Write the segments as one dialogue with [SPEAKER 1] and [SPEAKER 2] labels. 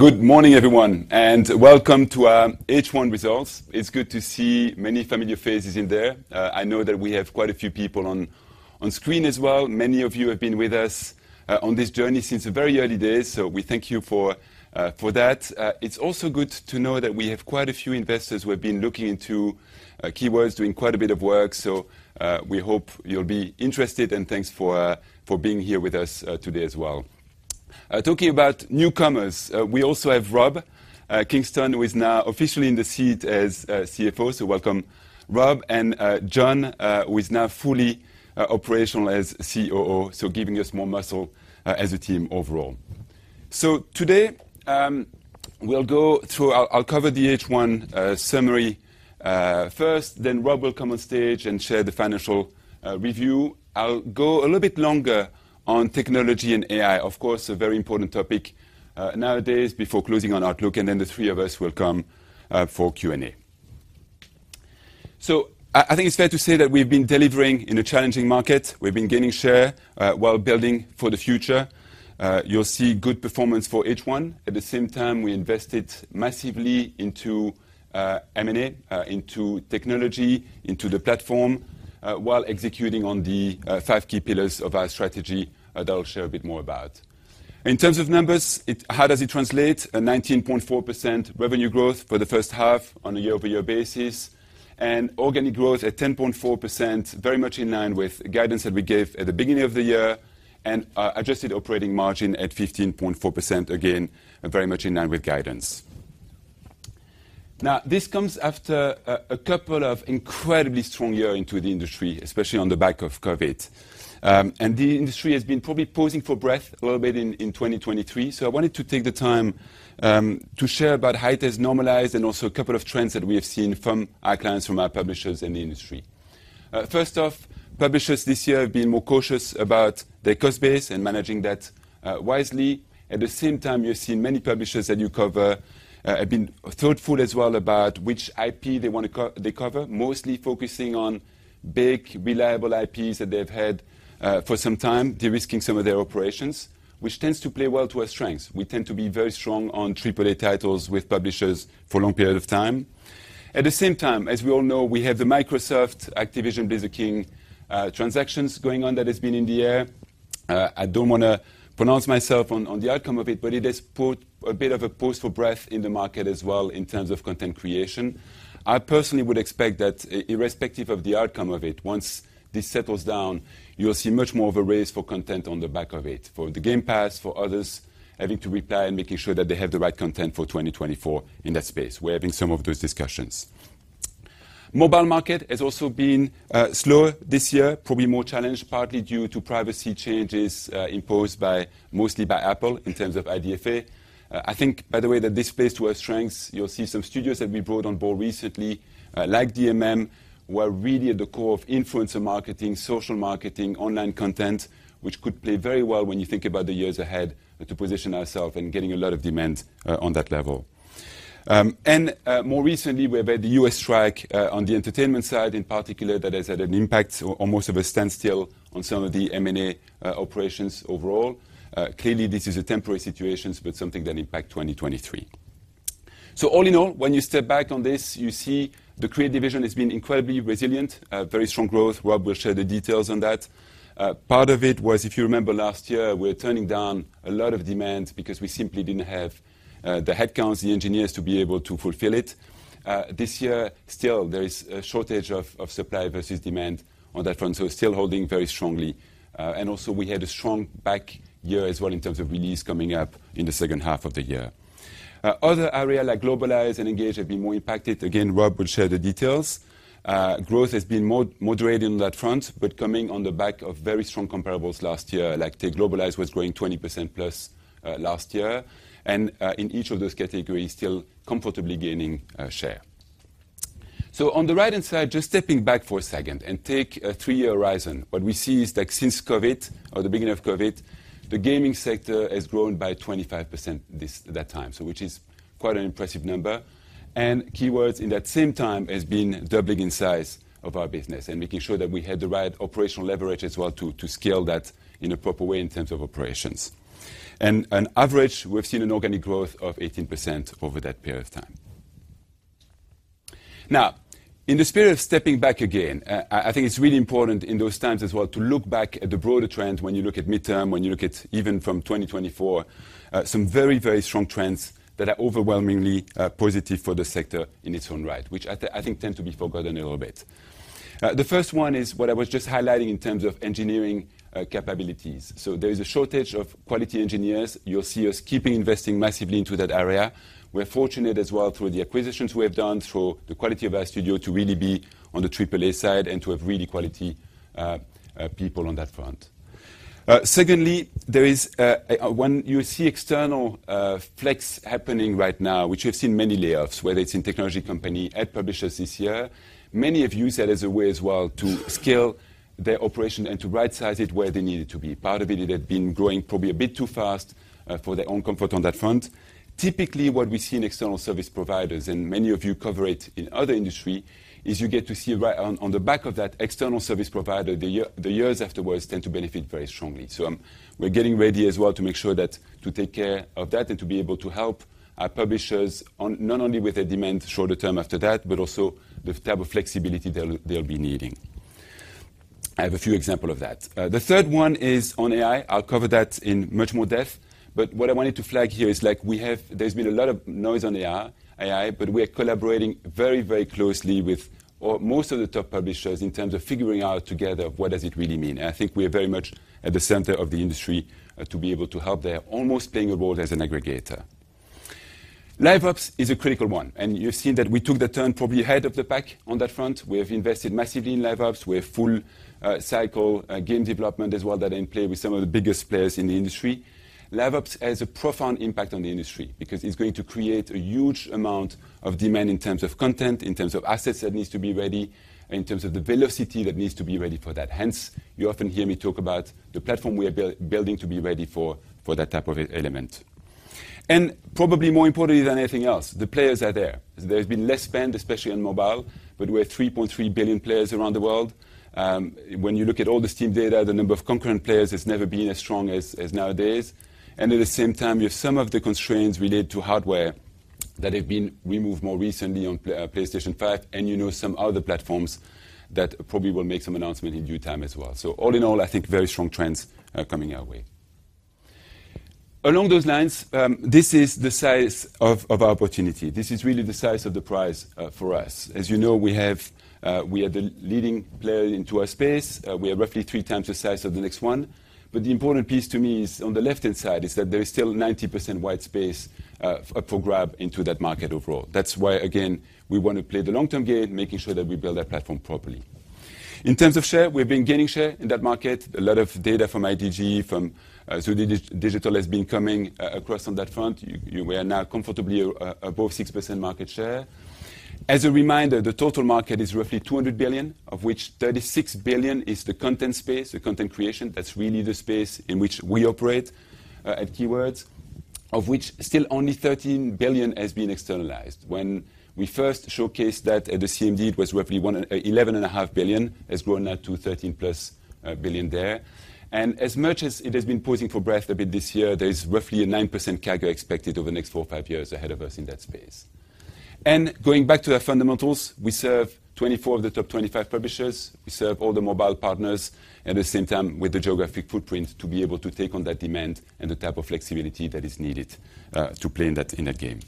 [SPEAKER 1] Good morning, everyone, and welcome to our H1 results. It's good to see many familiar faces in there. I know that we have quite a few people on screen as well. Many of you have been with us on this journey since the very early days, so we thank you for that. It's also good to know that we have quite a few investors who have been looking into Keywords, doing quite a bit of work, so we hope you'll be interested, and thanks for being here with us today as well. Talking about newcomers, we also have Rob Kingston, who is now officially in the seat as CFO. So welcome, Rob, and Jon, who is now fully operational as COO, so giving us more muscle as a team overall. So today, we'll go through. I'll cover the H1 summary first, then Rob will come on stage and share the financial review. I'll go a little bit longer on technology and AI, of course, a very important topic nowadays, before closing on outlook, and then the three of us will come for Q&A. I think it's fair to say that we've been delivering in a challenging market. We've been gaining share while building for the future. You'll see good performance for H1. At the same time, we invested massively into M&A, into technology, into the platform, while executing on the five key pillars of our strategy, that I'll share a bit more about. In terms of numbers, it – how does it translate? A 19.4% revenue growth for the first half on a year-over-year basis, and organic growth at 10.4%, very much in line with guidance that we gave at the beginning of the year, and adjusted operating margin at 15.4%, again, very much in line with guidance. Now, this comes after a couple of incredibly strong years into the industry, especially on the back of COVID. And the industry has been probably pausing for breath a little bit in 2023, so I wanted to take the time to share about how it has normalized and also a couple of trends that we have seen from our clients, from our publishers in the industry. First off, publishers this year have been more cautious about their cost base and managing that wisely. At the same time, you've seen many publishers that you cover, have been thoughtful as well about which IP they cover, mostly focusing on big, reliable IPs that they've had, for some time, de-risking some of their operations, which tends to play well to our strengths. We tend to be very strong on triple-A titles with publishers for a long period of time. At the same time, as we all know, we have the Microsoft, Activision Blizzard King transactions going on that has been in the air. I don't want to pronounce myself on the outcome of it, but it has put a bit of a pause for breath in the market as well in terms of content creation. I personally would expect that irrespective of the outcome of it, once this settles down, you will see much more of a race for content on the back of it, for the Game Pass, for others, having to reply and making sure that they have the right content for 2024 in that space. We're having some of those discussions. Mobile market has also been slower this year, probably more challenged, partly due to privacy changes imposed by, mostly by Apple in terms of IDFA. I think, by the way, that this plays to our strengths. You'll see some studios that we brought on board recently, like DMM, who are really at the core of influencer marketing, social marketing, online content, which could play very well when you think about the years ahead, to position ourselves and getting a lot of demand on that level. More recently, we have had the U.S. strike on the entertainment side in particular that has had an impact on almost of a standstill on some of the M&A operations overall. Clearly, this is a temporary situation, but something that impact 2023. So all in all, when you step back on this, you see the Create division has been incredibly resilient, very strong growth. Rob will share the details on that. Part of it was, if you remember last year, we were turning down a lot of demand because we simply didn't have the headcounts, the engineers to be able to fulfill it. This year, still there is a shortage of supply versus demand on that front, so we're still holding very strongly. And also we had a strong back year as well in terms of release coming up in the second half of the year. Other area like Globalize and Engage have been more impacted. Again, Rob will share the details. Growth has been moderated on that front, but coming on the back of very strong comparables last year, like Globalize was growing 20% plus last year, and in each of those categories, still comfortably gaining share. So on the right-hand side, just stepping back for a second and take a three-year horizon. What we see is that since COVID, or the beginning of COVID, the gaming sector has grown by 25% that time, so which is quite an impressive number. Keywords, in that same time, has been doubling in size of our business and making sure that we have the right operational leverage as well to scale that in a proper way in terms of operations. And on average, we've seen an organic growth of 18% over that period of time. Now, in the spirit of stepping back again, I think it's really important in those times as well to look back at the broader trends when you look at midterm, when you look at even from 2024, some very, very strong trends that are overwhelmingly positive for the sector in its own right, which I think tend to be forgotten a little bit. The first one is what I was just highlighting in terms of engineering capabilities. So there is a shortage of quality engineers. You'll see us keeping investing massively into that area. We're fortunate as well, through the acquisitions we have done, through the quality of our studio, to really be on the triple-A side and to have really quality people on that front. Secondly, there is... When you see external flex happening right now, which we have seen many layoffs, whether it's in technology company, ad publishers this year, many of you see that as a way as well to scale their operation and to rightsize it where they need it to be. Part of it, they've been growing probably a bit too fast for their own comfort on that front. Typically, what we see in external service providers, and many of you cover it in other industry, is you get to see right on the back of that external service provider, the years afterwards tend to benefit very strongly. So, we're getting ready as well to make sure to take care of that and to be able to help our publishers on, not only with their demand shorter term after that, but also the type of flexibility they'll, they'll be needing.... I have a few example of that. The third one is on AI. I'll cover that in much more depth, but what I wanted to flag here is, like, we have—there's been a lot of noise on AI, AI, but we are collaborating very, very closely with all, most of the top publishers in terms of figuring out together what does it really mean? And I think we are very much at the center of the industry, to be able to help there, almost playing a role as an aggregator. LiveOps is a critical one, and you've seen that we took the turn probably ahead of the pack on that front. We have invested massively in LiveOps. We have full cycle game development as well, that in play with some of the biggest players in the industry. LiveOps has a profound impact on the industry because it's going to create a huge amount of demand in terms of content, in terms of assets that needs to be ready, in terms of the velocity that needs to be ready for that. Hence, you often hear me talk about the platform we are building to be ready for that type of element. And probably more importantly than anything else, the players are there. There's been less spend, especially on mobile, but we're 3.3 billion players around the world. When you look at all the TAM data, the number of concurrent players has never been as strong as nowadays. At the same time, you have some of the constraints related to hardware that have been removed more recently on PlayStation 5, and you know, some other platforms that probably will make some announcement in due time as well. So all in all, I think very strong trends coming our way. Along those lines, this is the size of, of our opportunity. This is really the size of the prize for us. As you know, we have, we are the leading player in our space. We are roughly three times the size of the next one. But the important piece to me is on the left-hand side, is that there is still 90% white space up for grabs in that market overall. That's why, again, we want to play the long-term game, making sure that we build our platform properly. In terms of share, we've been gaining share in that market. A lot of data from IDG, from ZOO Digital has been coming across on that front. We are now comfortably above 6% market share. As a reminder, the total market is roughly $200 billion, of which $36 billion is the content space, the content creation. That's really the space in which we operate at Keywords, of which still only $13 billion has been externalized. When we first showcased that at the CMD, it was roughly eleven and a half billion, has grown now to $13+ billion there. And as much as it has been pausing for breath a bit this year, there is roughly a 9% CAGR expected over the next 4-5 years ahead of us in that space. Going back to our fundamentals, we serve 24 of the top 25 publishers. We serve all the mobile partners, at the same time, with the geographic footprint, to be able to take on that demand and the type of flexibility that is needed, to play in that game.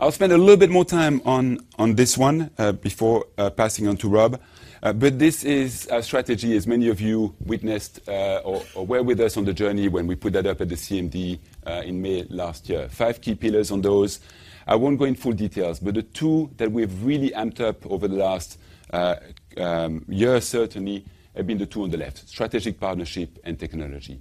[SPEAKER 1] I'll spend a little bit more time on this one, before passing on to Rob, but this is our strategy, as many of you witnessed, or were with us on the journey when we put that up at the CMD, in May last year. 5 key pillars on those. I won't go in full details, but the two that we've really amped up over the last year, certainly, have been the two on the left: strategic partnership and technology.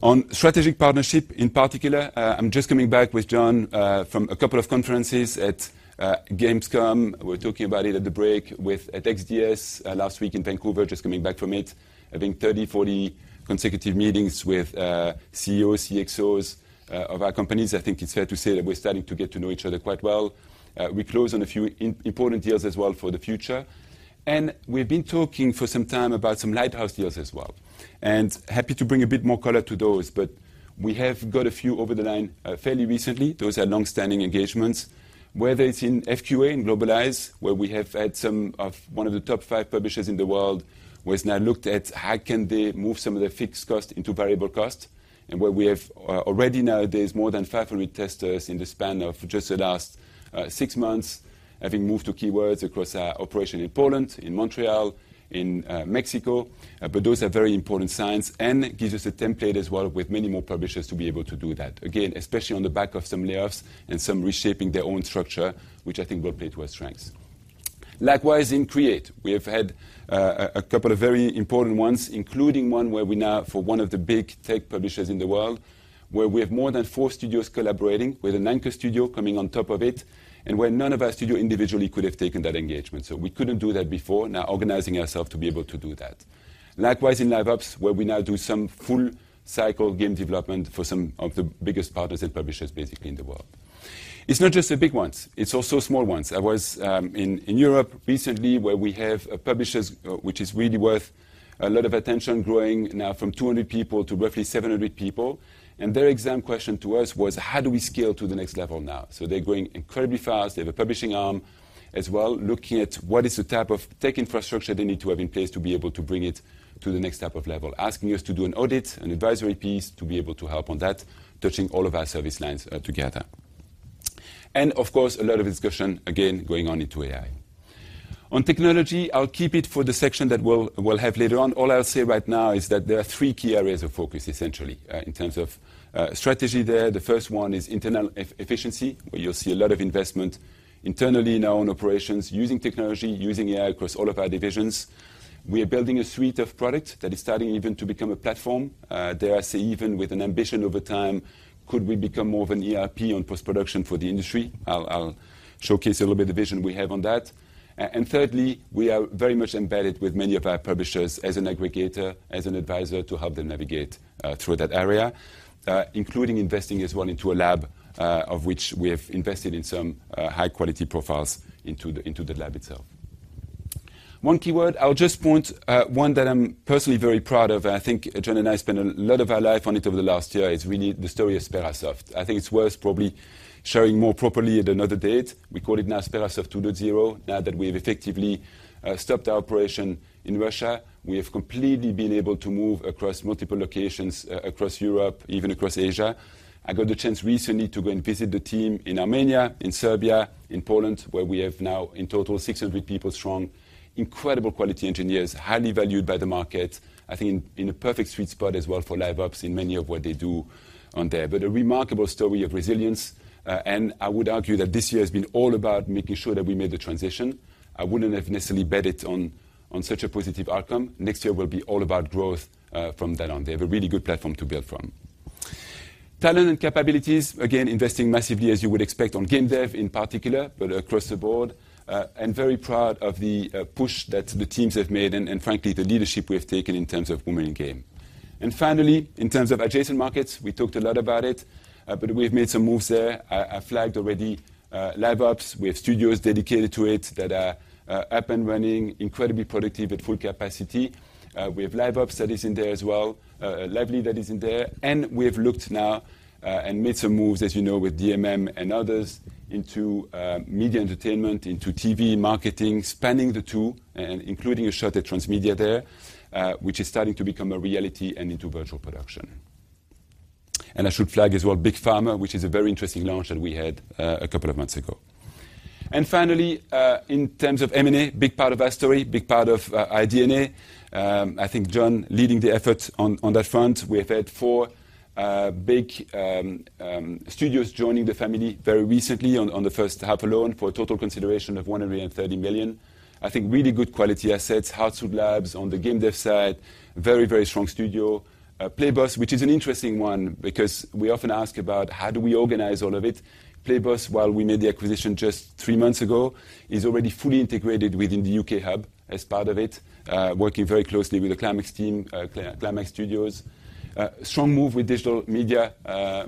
[SPEAKER 1] On strategic partnership, in particular, I'm just coming back with Jon from a couple of conferences at Gamescom. We're talking about it at the break with at XDS last week in Vancouver, just coming back from it. I think 30, 40 consecutive meetings with CEOs, CXOs of our companies. I think it's fair to say that we're starting to get to know each other quite well. We closed on a few important deals as well for the future, and we've been talking for some time about some lighthouse deals as well. Happy to bring a bit more color to those, but we have got a few over the line fairly recently. Those are long-standing engagements, whether it's in FQA, in Globalize, where we have had some of... One of the top 5 publishers in the world, who has now looked at how can they move some of their fixed cost into variable cost, and where we have already nowadays more than 500 testers in the span of just the last 6 months, having moved to Keywords across our operation in Poland, in Montreal, in Mexico. But those are very important signs and gives us a template as well with many more publishers to be able to do that. Again, especially on the back of some layoffs and some reshaping their own structure, which I think will play to our strengths. Likewise, in Create, we have had a couple of very important ones, including one where we now, for one of the big tech publishers in the world, where we have more than four studios collaborating with an anchor studio coming on top of it, and where none of our studio individually could have taken that engagement. So we couldn't do that before, now organizing ourselves to be able to do that. Likewise, in LiveOps, where we now do some full cycle game development for some of the biggest partners and publishers, basically, in the world. It's not just the big ones, it's also small ones. I was in Europe recently, where we have a publisher which is really worth a lot of attention, growing now from 200 people to roughly 700 people, and their exam question to us was: How do we scale to the next level now? So they're growing incredibly fast. They have a publishing arm as well, looking at what is the type of tech infrastructure they need to have in place to be able to bring it to the next type of level. Asking us to do an audit, an advisory piece, to be able to help on that, touching all of our service lines together. And of course, a lot of discussion, again, going on into AI. On technology, I'll keep it for the section that we'll have later on. All I'll say right now is that there are three key areas of focus, essentially, in terms of strategy there. The first one is internal efficiency, where you'll see a lot of investment internally in our own operations, using technology, using AI across all of our divisions. We are building a suite of products that is starting even to become a platform. Dare I say, even with an ambition over time, could we become more of an ERP on post-production for the industry? I'll showcase a little bit the vision we have on that. And thirdly, we are very much embedded with many of our publishers as an aggregator, as an advisor, to help them navigate through that area, including investing as well into a lab, of which we have invested in some high quality profiles into the lab itself.... One key word, I'll just point, one that I'm personally very proud of, and I think Jon and I spent a lot of our life on it over the last year, is really the story of Sperasoft. I think it's worth probably sharing more properly at another date. We call it now Sperasoft 2.0. Now that we have effectively stopped our operation in Russia, we have completely been able to move across multiple locations across Europe, even across Asia. I got the chance recently to go and visit the team in Armenia, in Serbia, in Poland, where we have now, in total, 600 people strong, incredible quality engineers, highly valued by the market. I think in, in a perfect sweet spot as well for LiveOps in many of what they do on there. But a remarkable story of resilience, and I would argue that this year has been all about making sure that we made the transition. I wouldn't have necessarily bet it on, on such a positive outcome. Next year will be all about growth, from that on. They have a really good platform to build from. Talent and capabilities, again, investing massively, as you would expect, on game dev in particular, but across the board. Very proud of the push that the teams have made and frankly, the leadership we have taken in terms of women in game. Finally, in terms of adjacent markets, we talked a lot about it, but we have made some moves there. I flagged already, LiveOps. We have studios dedicated to it that are up and running, incredibly productive at full capacity. We have LiveOps that is in there as well, Lively that is in there. We have looked now and made some moves, as you know, with DMM and others, into media entertainment, into TV marketing, spanning the two, and including a shot at transmedia there, which is starting to become a reality and into Virtual Production. I should flag as well, Big Pharma, which is a very interesting launch that we had, a couple of months ago. Finally, in terms of M&A, big part of our story, big part of our DNA. I think Jon leading the effort on that front. We have had 4 big studios joining the family very recently on the first half alone, for a total consideration of 130 million. I think really good quality assets, Hardsuit Labs on the game dev side, very, very strong studio. Lab42, which is an interesting one because we often ask about how do we organize all of it. Lab42, while we made the acquisition just three months ago, is already fully integrated within the UK hub as part of it, working very closely with the Climax team, Climax Studios. Strong move with Digital Media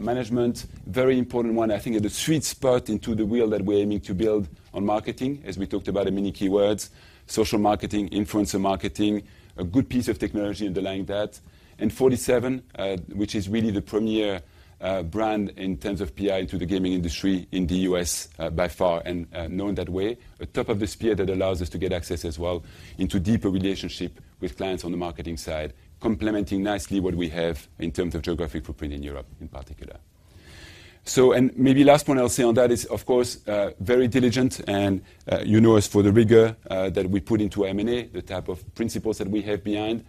[SPEAKER 1] Management. Very important one, I think, at the sweet spot into the wheel that we're aiming to build on marketing, as we talked about in many Keywords, social marketing, influencer marketing, a good piece of technology underlying that. And fortyseven, which is really the premier brand in terms of PR to the gaming industry in the US, by far, and known that way. A top of the spear that allows us to get access as well into deeper relationship with clients on the marketing side, complementing nicely what we have in terms of geographic footprint in Europe in particular. And maybe last point I'll say on that is, of course, very diligent and, you know us for the rigor, that we put into M&A, the type of principles that we have behind.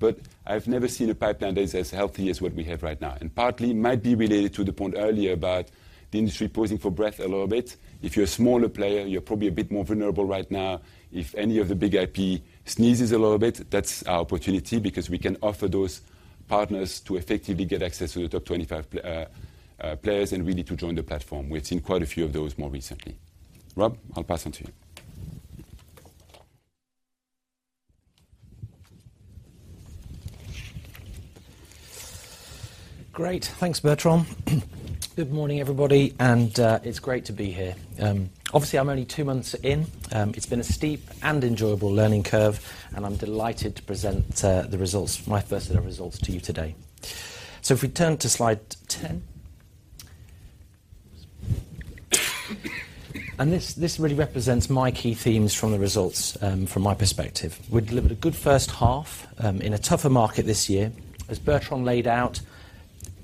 [SPEAKER 1] But I've never seen a pipeline that is as healthy as what we have right now. And partly, it might be related to the point earlier about the industry pausing for breath a little bit. If you're a smaller player, you're probably a bit more vulnerable right now. If any of the big IP sneezes a little bit, that's our opportunity because we can offer those partners to effectively get access to the top 25 players and really to join the platform. We've seen quite a few of those more recently. Rob, I'll pass on to you.
[SPEAKER 2] Great. Thanks, Bertrand. Good morning, everybody, and it's great to be here. Obviously, I'm only two months in. It's been a steep and enjoyable learning curve, and I'm delighted to present the results, my first set of results to you today. So if we turn to slide 10. And this, this really represents my key themes from the results, from my perspective. We've delivered a good first half, in a tougher market this year. As Bertrand laid out,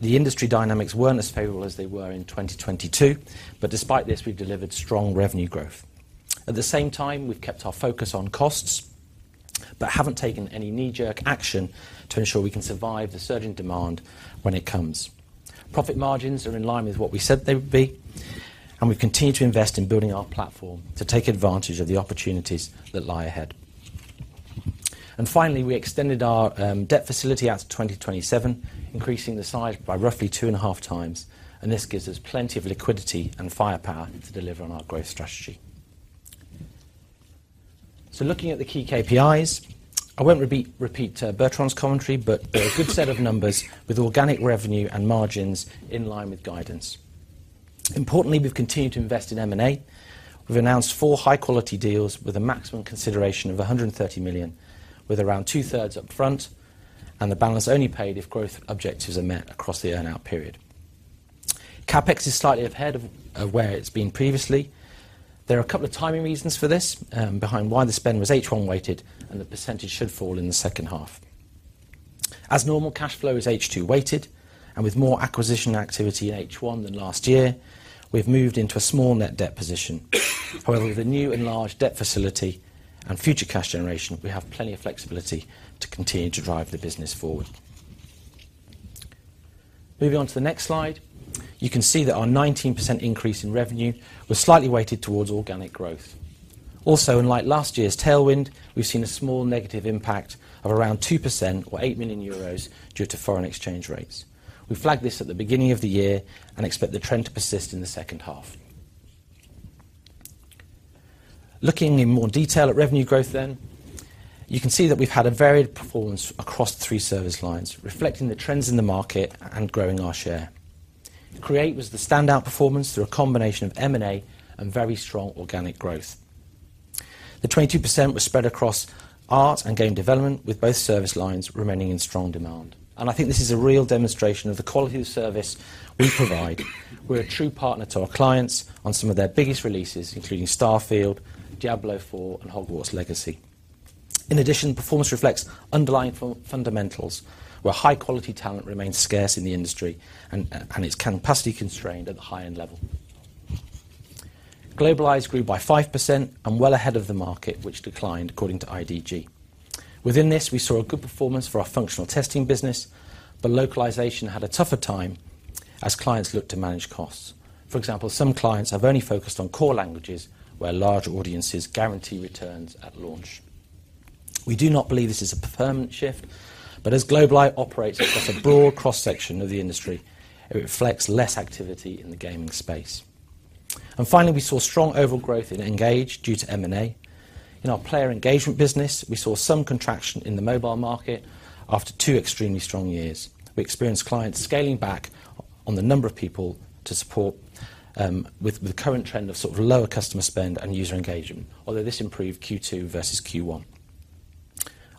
[SPEAKER 2] the industry dynamics weren't as favorable as they were in 2022, but despite this, we've delivered strong revenue growth. At the same time, we've kept our focus on costs, but haven't taken any knee-jerk action to ensure we can survive the surge in demand when it comes. Profit margins are in line with what we said they would be, and we continue to invest in building our platform to take advantage of the opportunities that lie ahead. Finally, we extended our debt facility out to 2027, increasing the size by roughly 2.5 times, and this gives us plenty of liquidity and firepower to deliver on our growth strategy. Looking at the key KPIs, I won't repeat Bertrand's commentary, but a good set of numbers with organic revenue and margins in line with guidance. Importantly, we've continued to invest in M&A. We've announced 4 high-quality deals with a maximum consideration of 130 million, with around 2/3 up front and the balance only paid if growth objectives are met across the earn-out period. CapEx is slightly ahead of where it's been previously. There are a couple of timing reasons for this, behind why the spend was H1 weighted, and the percentage should fall in the second half. As normal, cash flow is H2 weighted, and with more acquisition activity in H1 than last year, we've moved into a small net debt position. However, with a new enlarged debt facility and future cash generation, we have plenty of flexibility to continue to drive the business forward. Moving on to the next slide, you can see that our 19% increase in revenue was slightly weighted towards organic growth. Also, unlike last year's tailwind, we've seen a small negative impact of around 2% or 8 million euros due to foreign exchange rates. We flagged this at the beginning of the year and expect the trend to persist in the second half. Looking in more detail at revenue growth then, you can see that we've had a varied performance across three service lines, reflecting the trends in the market and growing our share. Create was the standout performance through a combination of M&A and very strong organic growth. The 22% was spread across art and game development, with both service lines remaining in strong demand. And I think this is a real demonstration of the quality of service we provide. We're a true partner to our clients on some of their biggest releases, including Starfield, Diablo IV, and Hogwarts Legacy. In addition, performance reflects underlying fundamentals, where high-quality talent remains scarce in the industry and it's capacity constrained at the high-end level. Globalize grew by 5% and well ahead of the market, which declined according to IDG. Within this, we saw a good performance for our functional testing business, but localization had a tougher time as clients looked to manage costs. For example, some clients have only focused on core languages, where large audiences guarantee returns at launch. We do not believe this is a permanent shift, but as Globalize operates across a broad cross-section of the industry, it reflects less activity in the gaming space. And finally, we saw strong overall growth in Engage due to M&A. In our player engagement business, we saw some contraction in the mobile market after two extremely strong years. We experienced clients scaling back on the number of people to support, with the current trend of sort of lower customer spend and user engagement, although this improved Q2 versus Q1.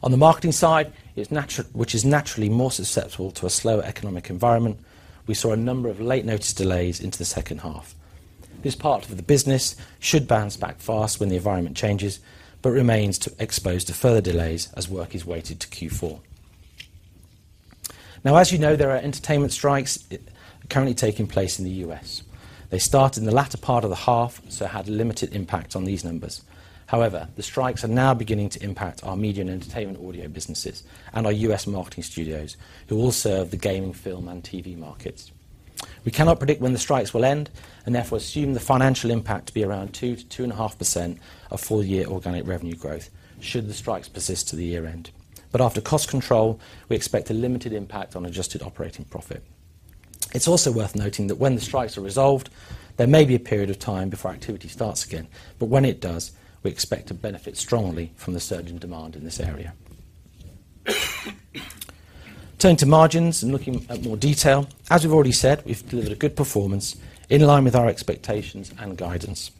[SPEAKER 2] On the marketing side, it's natural, which is naturally more susceptible to a slower economic environment, we saw a number of late-notice delays into the second half. This part of the business should bounce back fast when the environment changes, but remains exposed to further delays as work is weighted to Q4. Now, as you know, there are entertainment strikes currently taking place in the U.S. They started in the latter part of the half, so had limited impact on these numbers. However, the strikes are now beginning to impact our media and entertainment audio businesses and our U.S. marketing studios, who all serve the gaming, film, and TV markets. We cannot predict when the strikes will end, and therefore, assume the financial impact to be around 2%-2.5% of full-year organic revenue growth should the strikes persist to the year-end. But after cost control, we expect a limited impact on adjusted operating profit. It's also worth noting that when the strikes are resolved, there may be a period of time before activity starts again. But when it does, we expect to benefit strongly from the surge in demand in this area. Turning to margins and looking at more detail. As we've already said, we've delivered a good performance in line with our expectations and guidance.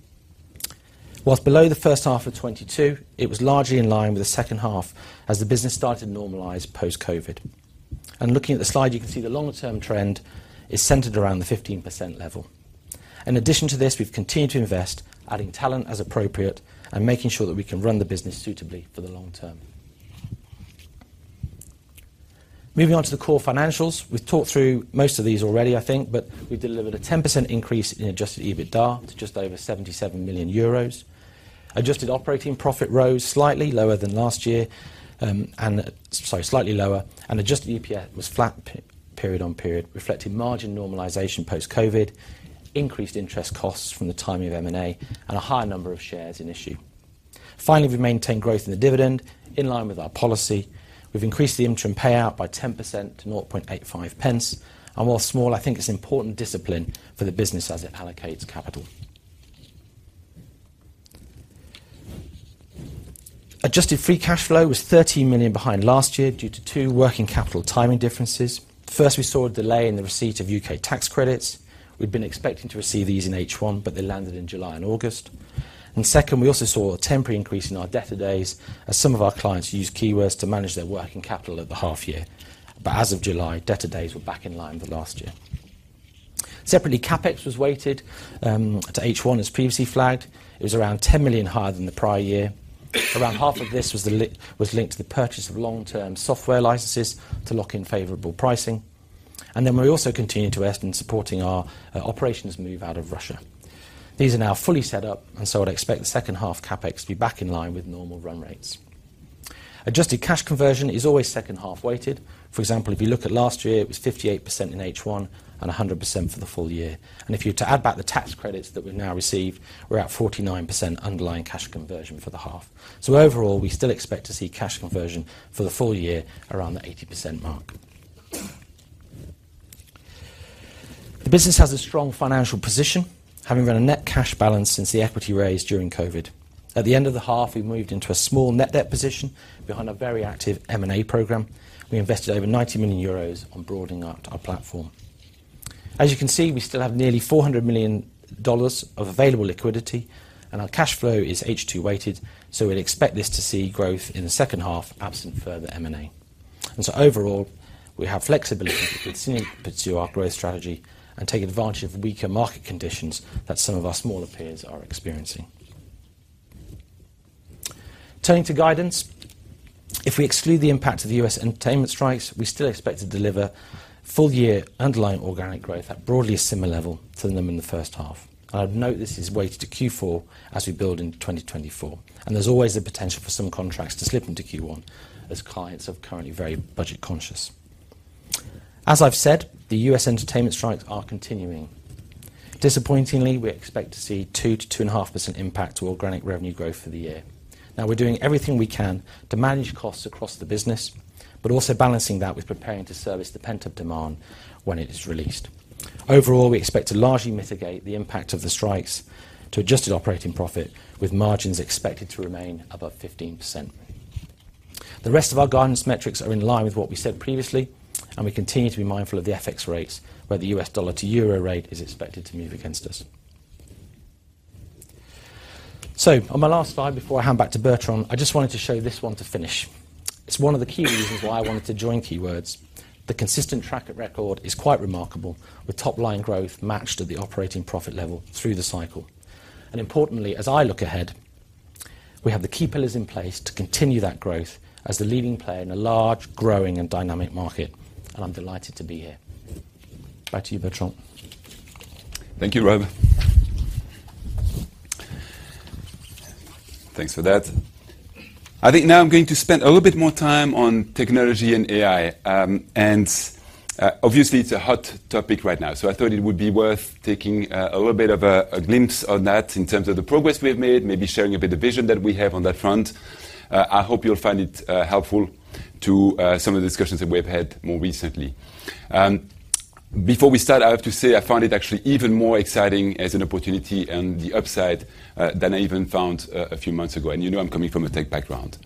[SPEAKER 2] While below the first half of 2022, it was largely in line with the second half as the business started to normalize post-COVID. And looking at the slide, you can see the longer-term trend is centered around the 15% level. In addition to this, we've continued to invest, adding talent as appropriate, and making sure that we can run the business suitably for the long term. Moving on to the core financials. We've talked through most of these already, I think, but we delivered a 10% increase in adjusted EBITDA to just over 77 million euros. Adjusted operating profit rose slightly lower than last year, and adjusted EPS was flat period-on-period, reflecting margin normalization post-COVID, increased interest costs from the timing of M&A, and a higher number of shares in issue. Finally, we've maintained growth in the dividend in line with our policy. We've increased the interim payout by 10% to 0.0085. And while small, I think it's important discipline for the business as it allocates capital. Adjusted free cash flow was 13 million behind last year due to two working capital timing differences. First, we saw a delay in the receipt of UK tax credits. We'd been expecting to receive these in H1, but they landed in July and August. Second, we also saw a temporary increase in our debtor days, as some of our clients used Keywords to manage their working capital at the half year. But as of July, debtor days were back in line with last year. Separately, CapEx was weighted to H1 as previously flagged. It was around 10 million higher than the prior year. Around half of this was linked to the purchase of long-term software licenses to lock in favorable pricing. Then we also continued to invest in supporting our operations move out of Russia. These are now fully set up, and so I'd expect the second half CapEx to be back in line with normal run rates. Adjusted cash conversion is always second-half weighted. For example, if you look at last year, it was 58% in H1 and 100% for the full year. And if you're to add back the tax credits that we've now received, we're at 49% underlying cash conversion for the half. So overall, we still expect to see cash conversion for the full year around the 80% mark. The business has a strong financial position, having run a net cash balance since the equity raise during COVID. At the end of the half, we moved into a small net debt position behind a very active M&A program. We invested over 90 million euros on broadening our platform. As you can see, we still have nearly $400 million of available liquidity, and our cash flow is H2 weighted, so we'd expect this to see growth in the second half, absent further M&A. Overall, we have flexibility to continue to pursue our growth strategy and take advantage of weaker market conditions that some of our smaller peers are experiencing. Turning to guidance. If we exclude the impact of the US entertainment strikes, we still expect to deliver full-year underlying organic growth at broadly a similar level to them in the first half. I'd note this is weighted to Q4 as we build into 2024, and there's always the potential for some contracts to slip into Q1, as clients are currently very budget conscious. As I've said, the US entertainment strikes are continuing. Disappointingly, we expect to see 2%-2.5% impact to organic revenue growth for the year. Now, we're doing everything we can to manage costs across the business, but also balancing that with preparing to service the pent-up demand when it is released. Overall, we expect to largely mitigate the impact of the strikes to adjusted operating profit, with margins expected to remain above 15%. The rest of our guidance metrics are in line with what we said previously, and we continue to be mindful of the FX rates, where the US dollar to euro rate is expected to move against us. So on my last slide, before I hand back to Bertrand, I just wanted to show this one to finish. It's one of the key reasons why I wanted to join Keywords. The consistent track record is quite remarkable, with top-line growth matched at the operating profit level through the cycle. Importantly, as I look ahead, we have the key pillars in place to continue that growth as the leading player in a large, growing, and dynamic market, and I'm delighted to be here. Back to you, Bertrand.
[SPEAKER 1] Thank you, Rob. Thanks for that. I think now I'm going to spend a little bit more time on technology and AI. Obviously, it's a hot topic right now, so I thought it would be worth taking a little bit of a glimpse on that in terms of the progress we have made, maybe sharing a bit of vision that we have on that front. I hope you'll find it helpful to some of the discussions that we've had more recently. Before we start, I have to say, I find it actually even more exciting as an opportunity and the upside than I even found a few months ago, and you know I'm coming from a tech background.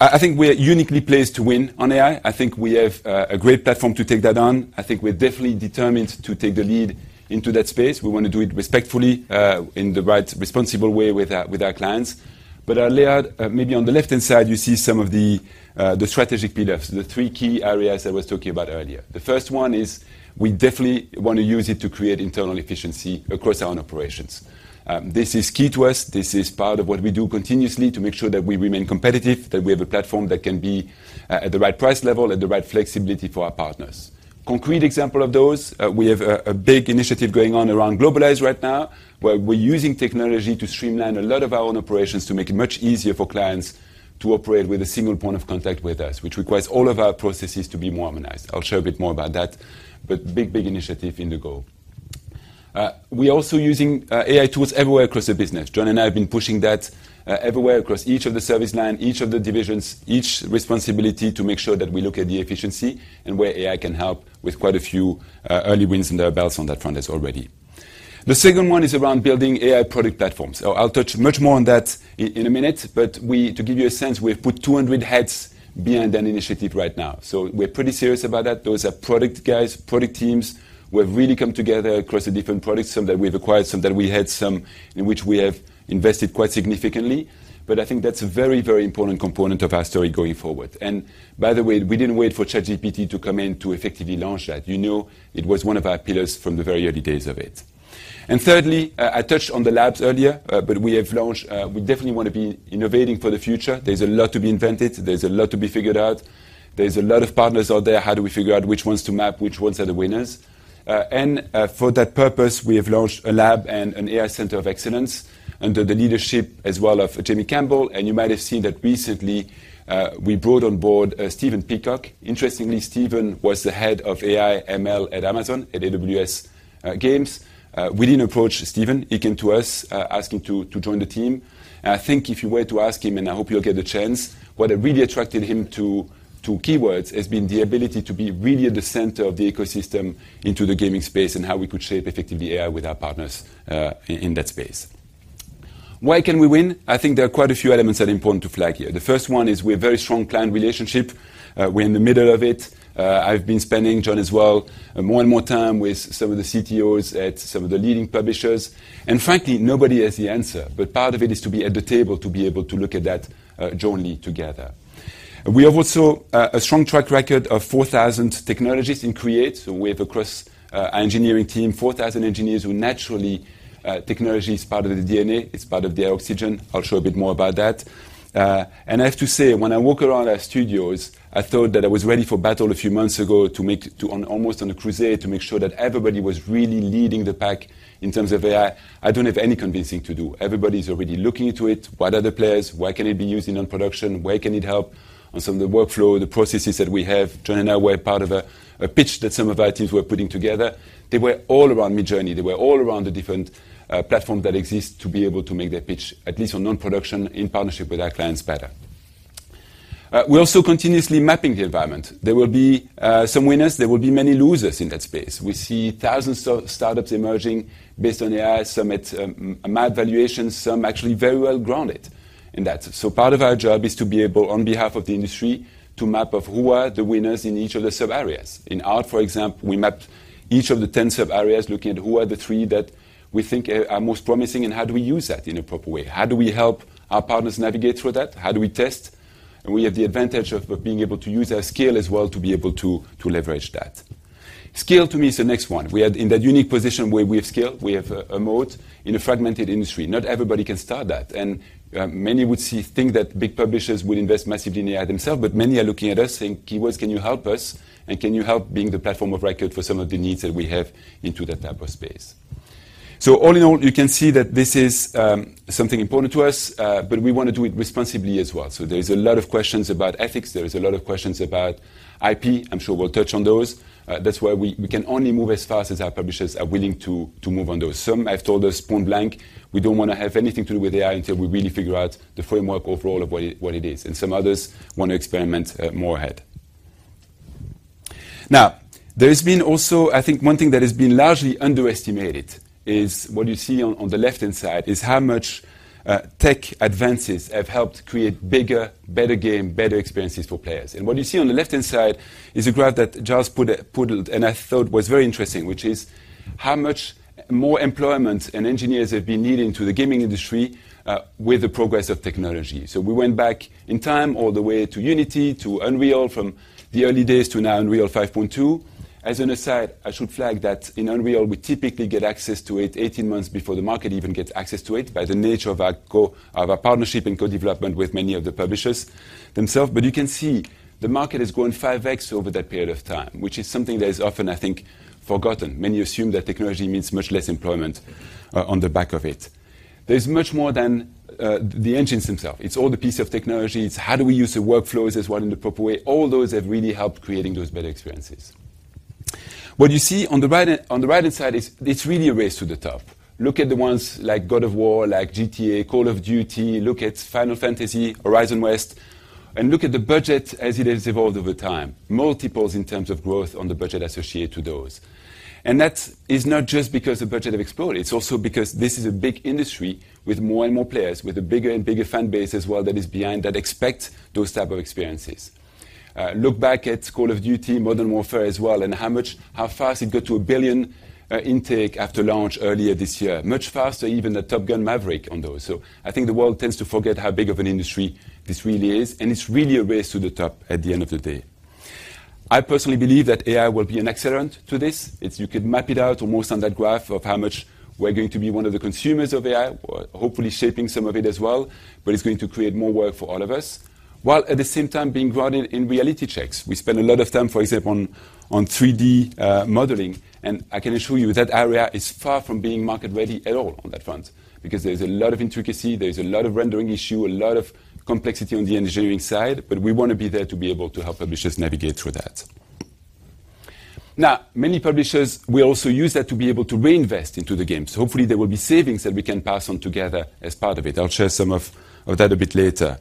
[SPEAKER 1] I think we're uniquely placed to win on AI. I think we have a great platform to take that on. I think we're definitely determined to take the lead into that space. We want to do it respectfully, in the right, responsible way with our, with our clients. But our layout, maybe on the left-hand side, you see some of the, the strategic pillars, the three key areas I was talking about earlier. The first one is we definitely want to use it to create internal efficiency across our own operations. This is key to us. This is part of what we do continuously to make sure that we remain competitive, that we have a platform that can be at the right price level, at the right flexibility for our partners. Concrete example of those, we have a big initiative going on around globalize right now, where we're using technology to streamline a lot of our own operations to make it much easier for clients to operate with a single point of contact with us, which requires all of our processes to be more harmonized. I'll share a bit more about that, but big, big initiative in the goal. We're also using AI tools everywhere across the business. Jon and I have been pushing that, everywhere, across each of the service line, each of the divisions, each responsibility to make sure that we look at the efficiency and where AI can help with quite a few early wins under our belts on that front as already. The second one is around building AI product platforms. So I'll touch much more on that in a minute, but we, to give you a sense, we've put 200 heads behind that initiative right now. So we're pretty serious about that. Those are product guys, product teams, who have really come together across the different products, some that we've acquired, some that we had, some in which we have invested quite significantly. But I think that's a very, very important component of our story going forward. And by the way, we didn't wait for ChatGPT to come in to effectively launch that. You know, it was one of our pillars from the very early days of it. And thirdly, I touched on the labs earlier, but we have launched. We definitely want to be innovating for the future. There's a lot to be invented. There's a lot to be figured out. There's a lot of partners out there. How do we figure out which ones to map, which ones are the winners? For that purpose, we have launched a lab and an AI center of excellence under the leadership as well of Jamie Campbell, and you might have seen that recently, we brought on board Stephen Peacock. Interestingly, Stephen was the head of AI/ML at Amazon, at AWS, Games. We didn't approach Stephen. He came to us, asking to join the team. And I think if you were to ask him, and I hope you'll get the chance, what really attracted him to Keywords has been the ability to be really at the center of the ecosystem into the gaming space and how we could shape effectively AI with our partners, in that space. Why can we win? I think there are quite a few elements that are important to flag here. The first one is we have very strong client relationship. We're in the middle of it. I've been spending, Jon as well, more and more time with some of the CTOs at some of the leading publishers, and frankly, nobody has the answer, but part of it is to be at the table to be able to look at that, jointly together. We have also a strong track record of 4,000 technologists in Create. So we have across our engineering team, 4,000 engineers, who naturally, technology is part of the DNA, it's part of their oxygen. I'll show a bit more about that. And I have to say, when I walk around our studios, I thought that I was ready for battle a few months ago to go on almost a crusade, to make sure that everybody was really leading the pack in terms of AI. I don't have any convincing to do. Everybody's already looking into it. What are the players? Where can it be used in production? Where can it help on some of the workflow, the processes that we have? Jon and I were part of a pitch that some of our teams were putting together. They were all around Midjourney. They were all around the different platform that exists to be able to make their pitch, at least on non-production, in partnership with our clients better. We're also continuously mapping the environment. There will be some winners, there will be many losers in that space. We see thousands of startups emerging based on AI, some at mad valuations, some actually very well grounded in that. So part of our job is to be able, on behalf of the industry, to map of who are the winners in each of the subareas. In art, for example, we mapped each of the 10 subareas, looking at who are the three that we think are most promising and how do we use that in a proper way? How do we help our partners navigate through that? How do we test? And we have the advantage of being able to use our scale as well to be able to leverage that. Scale to me is the next one. We are in that unique position where we have scale, we have a moat in a fragmented industry. Not everybody can start that, and many would see, think that big publishers will invest massively in AI themselves, but many are looking at us saying, "Keywords, can you help us? And can you help being the platform of record for some of the needs that we have into that type of space?" So all in all, you can see that this is something important to us, but we want to do it responsibly as well. So there's a lot of questions about ethics. There is a lot of questions about IP. I'm sure we'll touch on those. That's why we can only move as fast as our publishers are willing to move on those. Some have told us point-blank, "We don't want to have anything to do with AI until we really figure out the framework overall of what it, what it is," and some others want to experiment, more ahead.... Now, there's been also, I think one thing that has been largely underestimated is what you see on, on the left-hand side, is how much, tech advances have helped create bigger, better game, better experiences for players. And what you see on the left-hand side is a graph that Charles put, put, and I thought was very interesting, which is how much more employment and engineers have been leading to the gaming industry, with the progress of technology. So we went back in time, all the way to Unity, to Unreal, from the early days to now, Unreal 5.2. As an aside, I should flag that in Unreal, we typically get access to it 18 months before the market even gets access to it, by the nature of our partnership and co-development with many of the publishers themselves. But you can see the market has grown 5x over that period of time, which is something that is often, I think, forgotten. Many assume that technology means much less employment on the back of it. There's much more than the engines themselves. It's all the piece of technology. It's how do we use the workflows as well in the proper way. All those have really helped creating those better experiences. What you see on the right hand, on the right-hand side, is it's really a race to the top. Look at the ones like God of War, like GTA, Call of Duty. Look at Final Fantasy, Horizon West, and look at the budget as it has evolved over time. Multiples in terms of growth on the budget associated to those. That is not just because the budget have exploded, it's also because this is a big industry with more and more players, with a bigger and bigger fan base as well, that is behind, that expect those type of experiences. Look back at Call of Duty: Modern Warfare as well, and how fast it got to $1 billion intake after launch earlier this year. Much faster, even than Top Gun: Maverick on those. So I think the world tends to forget how big of an industry this really is, and it's really a race to the top at the end of the day. I personally believe that AI will be an accelerant to this. You could map it out almost on that graph of how much we're going to be one of the consumers of AI, hopefully shaping some of it as well, but it's going to create more work for all of us, while at the same time being grounded in reality checks. We spend a lot of time, for example, on 3D modeling, and I can assure you that area is far from being market-ready at all on that front, because there's a lot of intricacy, there's a lot of rendering issue, a lot of complexity on the engineering side, but we want to be there to be able to help publishers navigate through that. Now, many publishers will also use that to be able to reinvest into the game. So hopefully, there will be savings that we can pass on together as part of it. I'll share some of that a bit later.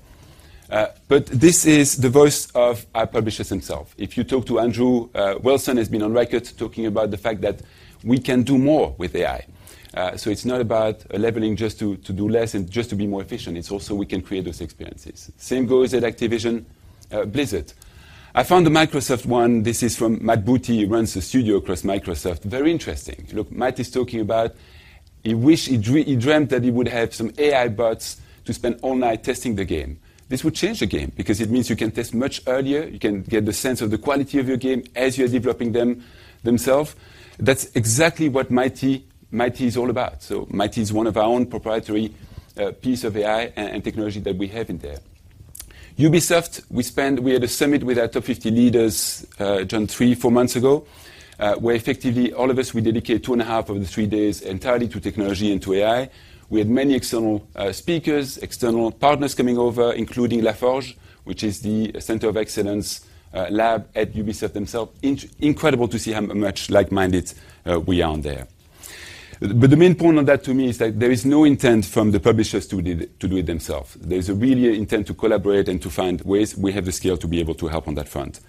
[SPEAKER 1] But this is the voice of our publishers themselves. If you talk to Andrew Wilson, he has been on record talking about the fact that we can do more with AI. So it's not about leveling just to do less and just to be more efficient, it's also we can create those experiences. Same goes at Activision Blizzard. I found a Microsoft one. This is from Matt Booty, he runs a studio across Microsoft. Very interesting. Look, Matt is talking about he dreamt that he would have some AI bots to spend all night testing the game. This would change the game because it means you can test much earlier, you can get the sense of the quality of your game as you are developing them, themselves. That's exactly what Mighty is all about. So Mighty is one of our own proprietary piece of AI and technology that we have in there. Ubisoft, we spent... We had a summit with our top 50 leaders, done three, four months ago, where effectively all of us, we dedicated two and a half of the three days entirely to technology and to AI. We had many external speakers, external partners coming over, including La Forge, which is the Center of Excellence lab at Ubisoft themselves. Incredible to see how much like-minded we are on there. But the main point of that to me is that there is no intent from the publishers to do it themselves. There's a really intent to collaborate and to find ways we have the scale to be able to help on that front.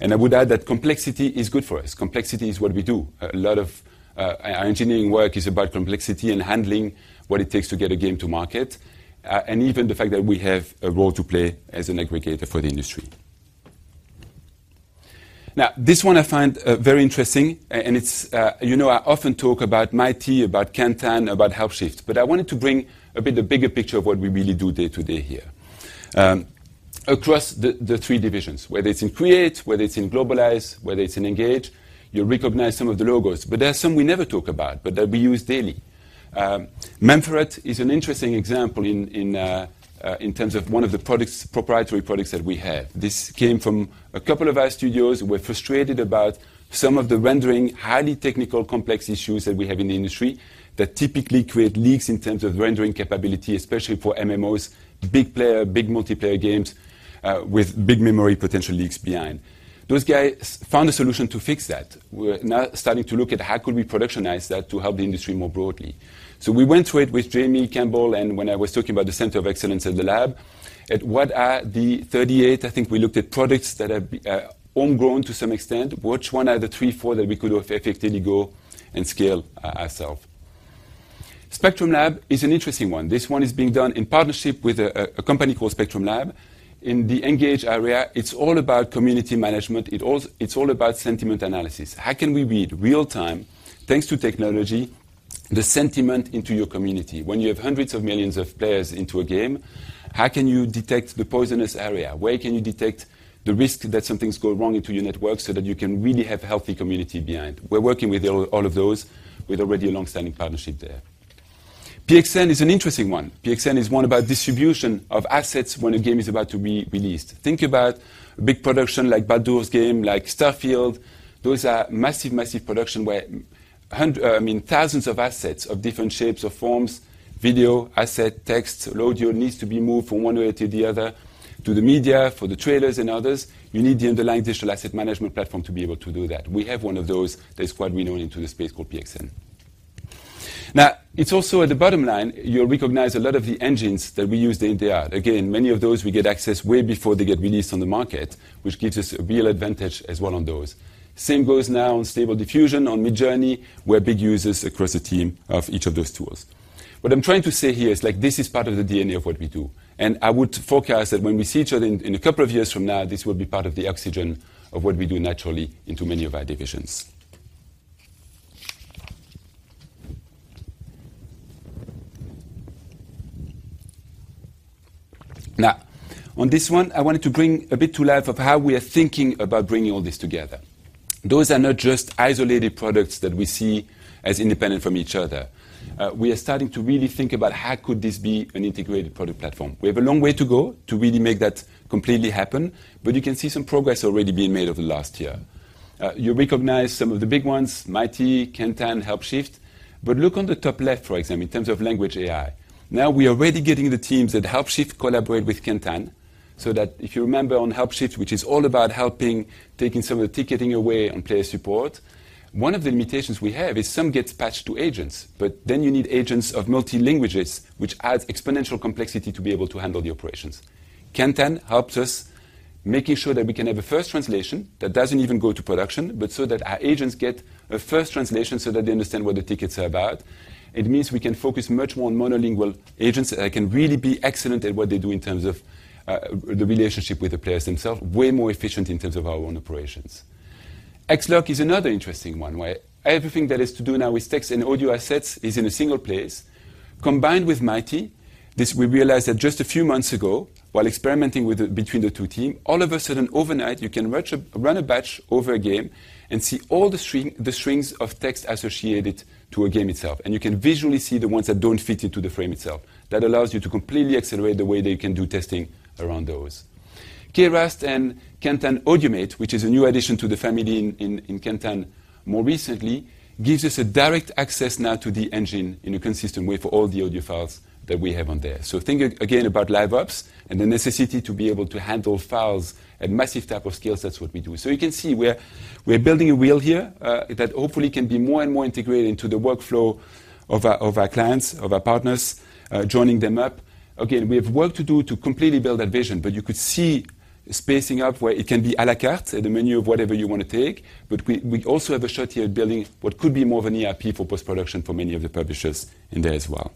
[SPEAKER 1] And I would add that complexity is good for us. Complexity is what we do. A lot of our engineering work is about complexity and handling what it takes to get a game to market, and even the fact that we have a role to play as an aggregator for the industry. Now, this one I find very interesting, and it's, you know, I often talk about Mighty, about Kantan, about Helpshift, but I wanted to bring a bit of bigger picture of what we really do day to day here. Across the three divisions, whether it's in Create, whether it's in Globalize, whether it's in Engage, you recognize some of the logos, but there are some we never talk about, but that we use daily. Memfret is an interesting example in terms of one of the products, proprietary products that we have. This came from a couple of our studios who were frustrated about some of the rendering, highly technical, complex issues that we have in the industry that typically create leaks in terms of rendering capability, especially for MMOs, big player, big multiplayer games, with big memory potential leaks behind. Those guys found a solution to fix that. We're now starting to look at how could we productionize that to help the industry more broadly. So we went through it with Jamie Campbell, and when I was talking about the Center of Excellence at the lab, at what are the 38, I think we looked at products that are homegrown to some extent, which one are the 3, 4 that we could effectively go and scale ourself. Spectrum Labs is an interesting one. This one is being done in partnership with a company called Spectrum Labs. In the Engage area, it's all about community management. It's all about sentiment analysis. How can we read real-time, thanks to technology, the sentiment into your community? When you have hundreds of millions of players into a game, how can you detect the poisonous area? Where can you detect the risk that something's going wrong into your network, so that you can really have healthy community behind? We're working with all of those, with already a long-standing partnership there. PXN is an interesting one. PXN is one about distribution of assets when a game is about to be released. Think about a big production like Baldur's Gate, like Starfield. Those are massive, massive production, where I mean, thousands of assets of different shapes or forms, video, asset, text, audio, needs to be moved from one area to the other, to the media, for the trailers and others. You need the underlying digital asset management platform to be able to do that. We have one of those that is quite renowned in the space called PXN. Now, it's also at the bottom line, you'll recognize a lot of the engines that we use in the ad. Again, many of those we get access way before they get released on the market, which gives us a real advantage as well on those. Same goes now on Stable Diffusion, on Midjourney, we're big users across the team of each of those tools. What I'm trying to say here is, like, this is part of the DNA of what we do, and I would forecast that when we see each other in a couple of years from now, this will be part of the oxygen of what we do naturally into many of our divisions. Now, on this one, I wanted to bring a bit to life of how we are thinking about bringing all this together. Those are not just isolated products that we see as independent from each other. We are starting to really think about how could this be an integrated product platform. We have a long way to go to really make that completely happen, but you can see some progress already being made over the last year. You recognize some of the big ones, Mighty, Kantan, Helpshift, but look on the top left, for example, in terms of language AI. Now, we are already getting the teams at Helpshift collaborate with Kantan, so that if you remember on Helpshift, which is all about helping, taking some of the ticketing away and player support, one of the limitations we have is some gets patched to agents, but then you need agents of multi languages, which adds exponential complexity to be able to handle the operations. Kantan helps us, making sure that we can have a first translation that doesn't even go to production, but so that our agents get a first translation so that they understand what the tickets are about. It means we can focus much more on monolingual agents, can really be excellent at what they do in terms of the relationship with the players themselves, way more efficient in terms of our own operations. XLOC is another interesting one, where everything that has to do now with text and audio assets is in a single place. Combined with Mighty, this, we realized, that just a few months ago, while experimenting with them between the two teams, all of a sudden, overnight, you can run a batch over a game and see all the string, the strings of text associated to a game itself, and you can visually see the ones that don't fit into the frame itself. That allows you to completely accelerate the way that you can do testing around those. Keras and KantanAutomate, which is a new addition to the family in Kantan more recently, gives us a direct access now to the engine in a consistent way for all the audio files that we have on there. So think again about LiveOps and the necessity to be able to handle files at massive type of scales. That's what we do. So you can see we're building a wheel here that hopefully can be more and more integrated into the workflow of our clients, of our partners, joining them up. Again, we have work to do to completely build that vision, but you could see spacing up where it can be à la carte at the menu of whatever you want to take. But we, we also have a shot here at building what could be more of an ERP for post-production for many of the publishers in there as well.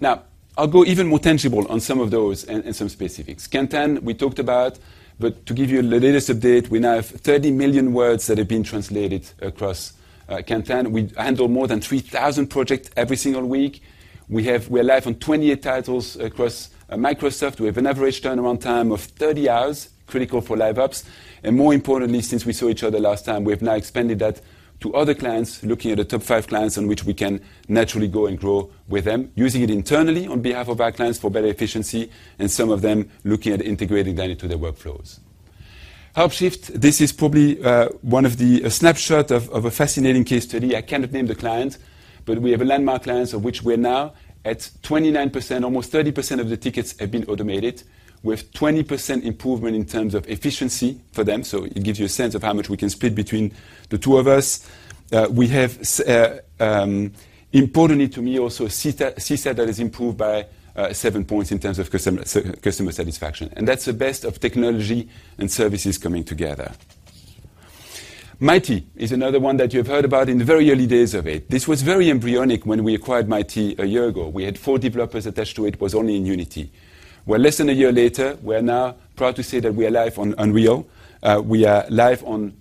[SPEAKER 1] Now, I'll go even more tangible on some of those and, and some specifics. Kantan, we talked about, but to give you the latest update, we now have 30 million words that have been translated across Kantan. We handle more than 3,000 projects every single week. We're live on 28 titles across Microsoft. We have an average turnaround time of 30 hours, critical for LiveOps, and more importantly, since we saw each other last time, we have now expanded that to other clients, looking at the top 5 clients on which we can naturally go and grow with them, using it internally on behalf of our clients for better efficiency, and some of them looking at integrating that into their workflows. Helpshift, this is probably one of the a snapshot of a fascinating case study. I cannot name the client, but we have a landmark clients of which we are now at 29%, almost 30% of the tickets have been automated, with 20% improvement in terms of efficiency for them. So it gives you a sense of how much we can split between the two of us. We have, importantly to me, also, CSAT that has improved by 7 points in terms of customer satisfaction. And that's the best of technology and services coming together. Mighty is another one that you've heard about in the very early days of it. This was very embryonic when we acquired Mighty a year ago. We had 4 developers attached to it, it was only in Unity. Well, less than a year later, we're now proud to say that we are live on Unreal. We are live on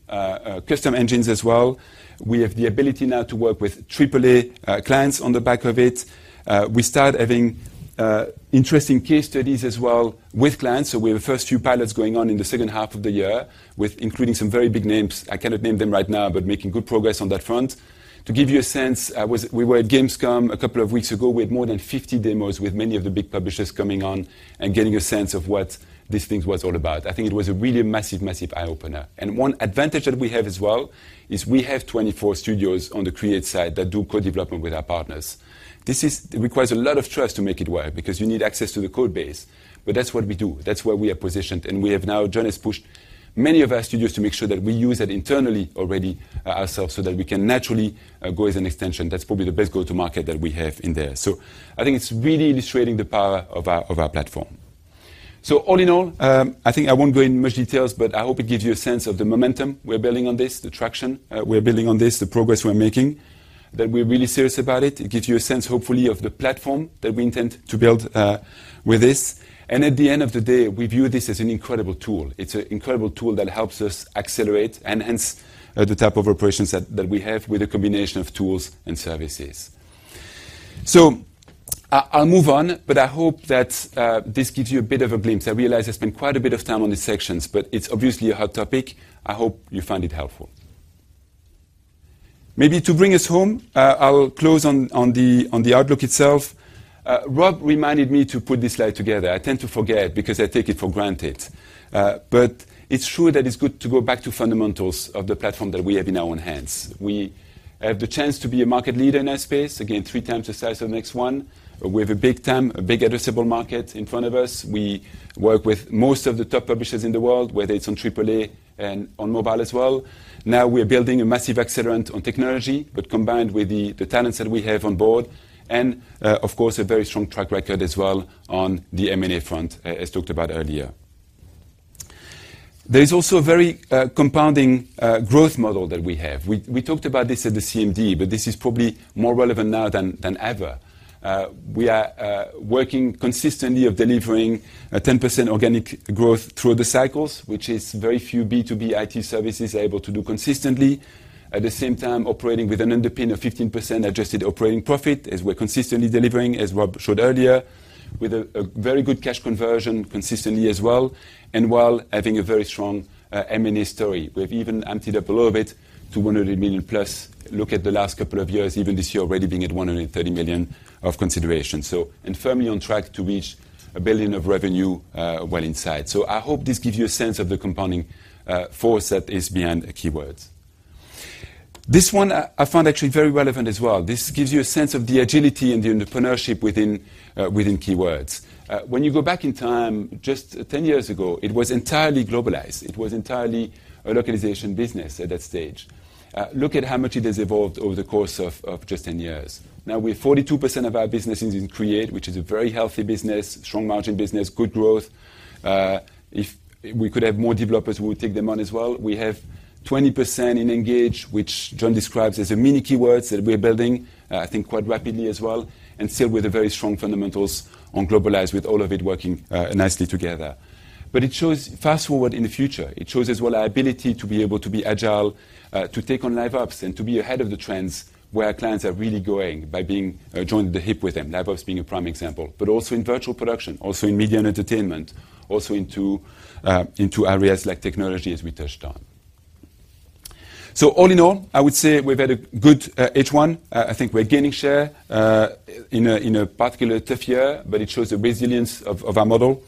[SPEAKER 1] custom engines as well. We have the ability now to work with AAA clients on the back of it. We start having interesting case studies as well with clients. So we have the first few pilots going on in the second half of the year, with including some very big names. I cannot name them right now, but making good progress on that front. To give you a sense, we were at Gamescom a couple of weeks ago. We had more than 50 demos with many of the big publishers coming on and getting a sense of what this thing was all about. I think it was a really massive, massive eye-opener. And one advantage that we have as well is we have 24 studios on the create side that do code development with our partners. It requires a lot of trust to make it work because you need access to the code base, but that's what we do. That's where we are positioned, and we have now, Jon has pushed many of our studios to make sure that we use it internally already, ourselves, so that we can naturally go as an extension. That's probably the best go-to-market that we have in there. So I think it's really illustrating the power of our, of our platform. So all in all, I think I won't go into much details, but I hope it gives you a sense of the momentum we're building on this, the traction we're building on this, the progress we're making, that we're really serious about it. It gives you a sense, hopefully, of the platform that we intend to build with this. And at the end of the day, we view this as an incredible tool. It's an incredible tool that helps us accelerate and hence, the type of operations that we have with a combination of tools and services. So I, I'll move on, but I hope that, this gives you a bit of a glimpse. I realize I spent quite a bit of time on these sections, but it's obviously a hot topic. I hope you find it helpful. Maybe to bring us home, I'll close on the outlook itself. Rob reminded me to put this slide together. I tend to forget because I take it for granted. But it's true that it's good to go back to fundamentals of the platform that we have in our own hands. We have the chance to be a market leader in our space. Again, three times the size of the next one. We have a big TAM, a big addressable market in front of us. We work with most of the top publishers in the world, whether it's on AAA and on mobile as well. Now, we are building a massive accelerant on technology, but combined with the talents that we have on board, and, of course, a very strong track record as well on the M&A front, as talked about earlier. There's also a very compounding growth model that we have. We talked about this at the CMD, but this is probably more relevant now than ever. We are working consistently of delivering a 10% organic growth through the cycles, which is very few B2B IT services are able to do consistently. At the same time, operating with an underpin of 15% adjusted operating profit, as we're consistently delivering, as Rob showed earlier, with a very good cash conversion consistently as well, and while having a very strong M&A story. We've even amped it up a little bit to 100 million plus. Look at the last couple of years, even this year, already being at 130 million of consideration. So and firmly on track to reach 1 billion of revenue, well inside. So I hope this gives you a sense of the compounding force that is behind Keywords. This one I find actually very relevant as well. This gives you a sense of the agility and the entrepreneurship within Keywords. When you go back in time, just 10 years ago, it was entirely globalized. It was entirely a localization business at that stage. Look at how much it has evolved over the course of, of just 10 years. Now, we have 42% of our business is in Create, which is a very healthy business, strong margin business, good growth. If we could have more developers, we would take them on as well. We have 20% in Engage, which Jon describes as a mini Keywords that we're building, I think quite rapidly as well, and still with a very strong fundamentals on Globalize, with all of it working, nicely together. But it shows fast-forward in the future. It shows as well our ability to be able to be agile, to take on LiveOps, and to be ahead of the trends where clients are really going by being, joined at the hip with them, LiveOps being a prime example, but also in virtual production, also in media and entertainment, also into, into areas like technology, as we touched on. So all in all, I would say we've had a good H1. I think we're gaining share, in a, in a particularly tough year, but it shows the resilience of, of our model.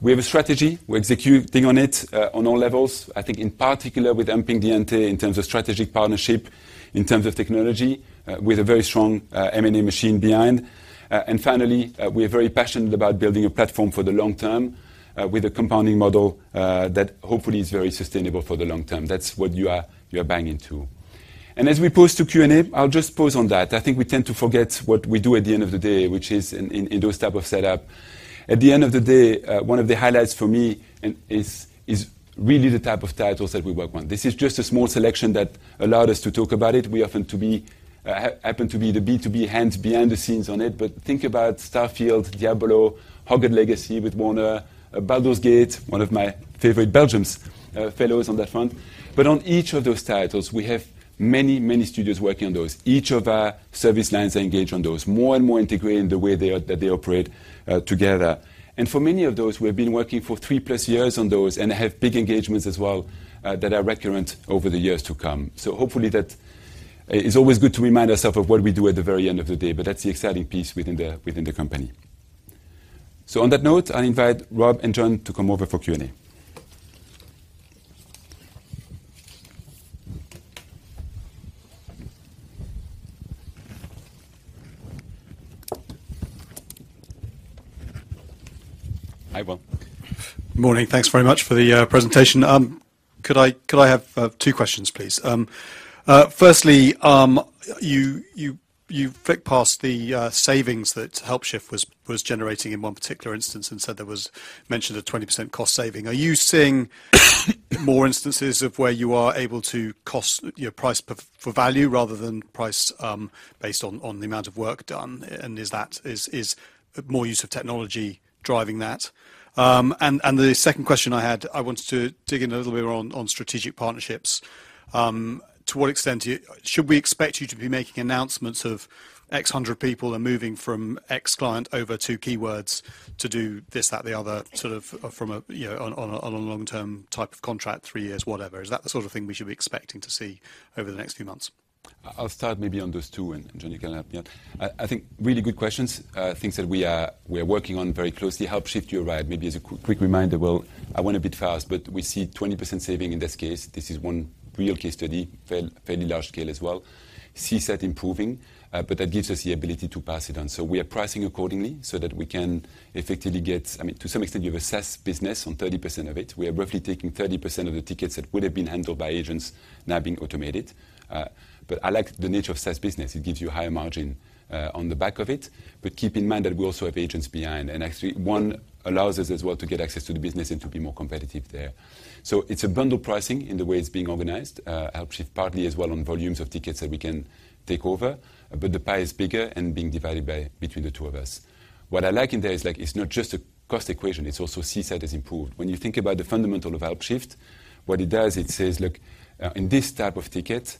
[SPEAKER 1] We have a strategy, we're executing on it, on all levels. I think in particular with amping the ante in terms of strategic partnership, in terms of technology, with a very strong M&A machine behind. And finally, we are very passionate about building a platform for the long term, with a compounding model, that hopefully is very sustainable for the long term. That's what you are, you are buying into. And as we pause to Q&A, I'll just pause on that. I think we tend to forget what we do at the end of the day, which is in, in, in those type of setup. At the end of the day, one of the highlights for me and is, is really the type of titles that we work on. This is just a small selection that allowed us to talk about it. We happen to be, happen to be the B2B hands behind the scenes on it, but think about Starfield, Diablo, Hogwarts Legacy with Warner, Baldur's Gate, one of my favorite Belgian fellows on that front. But on each of those titles, we have many, many studios working on those. Each of our service lines are engaged on those, more and more integrating the way they are, that they operate together. And for many of those, we have been working for three-plus years on those and have big engagements as well, that are recurrent over the years to come. So hopefully that. It's always good to remind ourselves of what we do at the very end of the day, but that's the exciting piece within the, within the company. So on that note, I invite Rob and Jon to come over for Q&A. Hi, Will.
[SPEAKER 3] Morning. Thanks very much for the presentation. Could I have two questions, please? Firstly, you flicked past the savings that Helpshift was generating in one particular instance and said there was mentioned a 20% cost saving. Are you seeing more instances of where you are able to cost, you know, price per for value rather than price based on the amount of work done? And is that more use of technology driving that? And the second question I had, I wanted to dig in a little bit on strategic partnerships.
[SPEAKER 4] To what extent should we expect you to be making announcements of X hundred people are moving from X client over to Keywords to do this, that, the other, sort of from a, you know, on a, on a long-term type of contract, three years, whatever. Is that the sort of thing we should be expecting to see over the next few months?
[SPEAKER 1] I'll start maybe on those two, and Johnny can help me out. I think really good questions, things that we are working on very closely. Helpshift, you're right. Maybe as a quick reminder, well, I went a bit fast, but we see 20% saving in this case. This is one real case study, fairly large scale as well, CSAT improving, but that gives us the ability to pass it on. So we are pricing accordingly so that we can effectively get... I mean, to some extent, you have a SaaS business on 30% of it. We are roughly taking 30% of the tickets that would have been handled by agents now being automated. But I like the nature of SaaS business. It gives you higher margin on the back of it. But keep in mind that we also have agents behind, and actually, one allows us as well to get access to the business and to be more competitive there. So it's a bundle pricing in the way it's being organized, Helpshift partly as well on volumes of tickets that we can take over, but the pie is bigger and being divided by between the two of us. What I like in there is, like, it's not just a cost equation, it's also CSAT has improved. When you think about the fundamental of Helpshift, what it does, it says, look, in this type of ticket,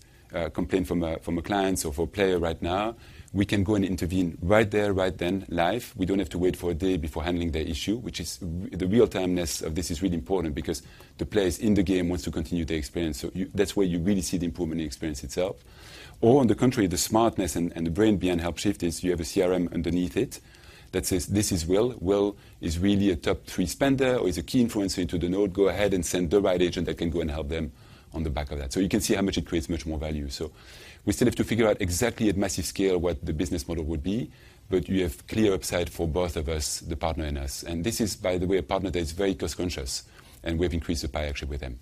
[SPEAKER 1] complaint from a client or for a player right now, we can go and intervene right there, right then, live. We don't have to wait for a day before handling their issue, which is the real-timeness of this is really important because the players in the game wants to continue the experience. So you, that's where you really see the improvement in the experience itself. Or on the contrary, the smartness and the brain behind Helpshift is you have a CRM underneath it that says, "This is Will. Will is really a top three spender or is a key influencer into the node. Go ahead and send the right agent that can go and help them on the back of that." So you can see how much it creates much more value. So we still have to figure out exactly at massive scale what the business model would be, but you have clear upside for both of us, the partner and us. This is, by the way, a partner that is very cost conscious, and we've increased the pie actually with them.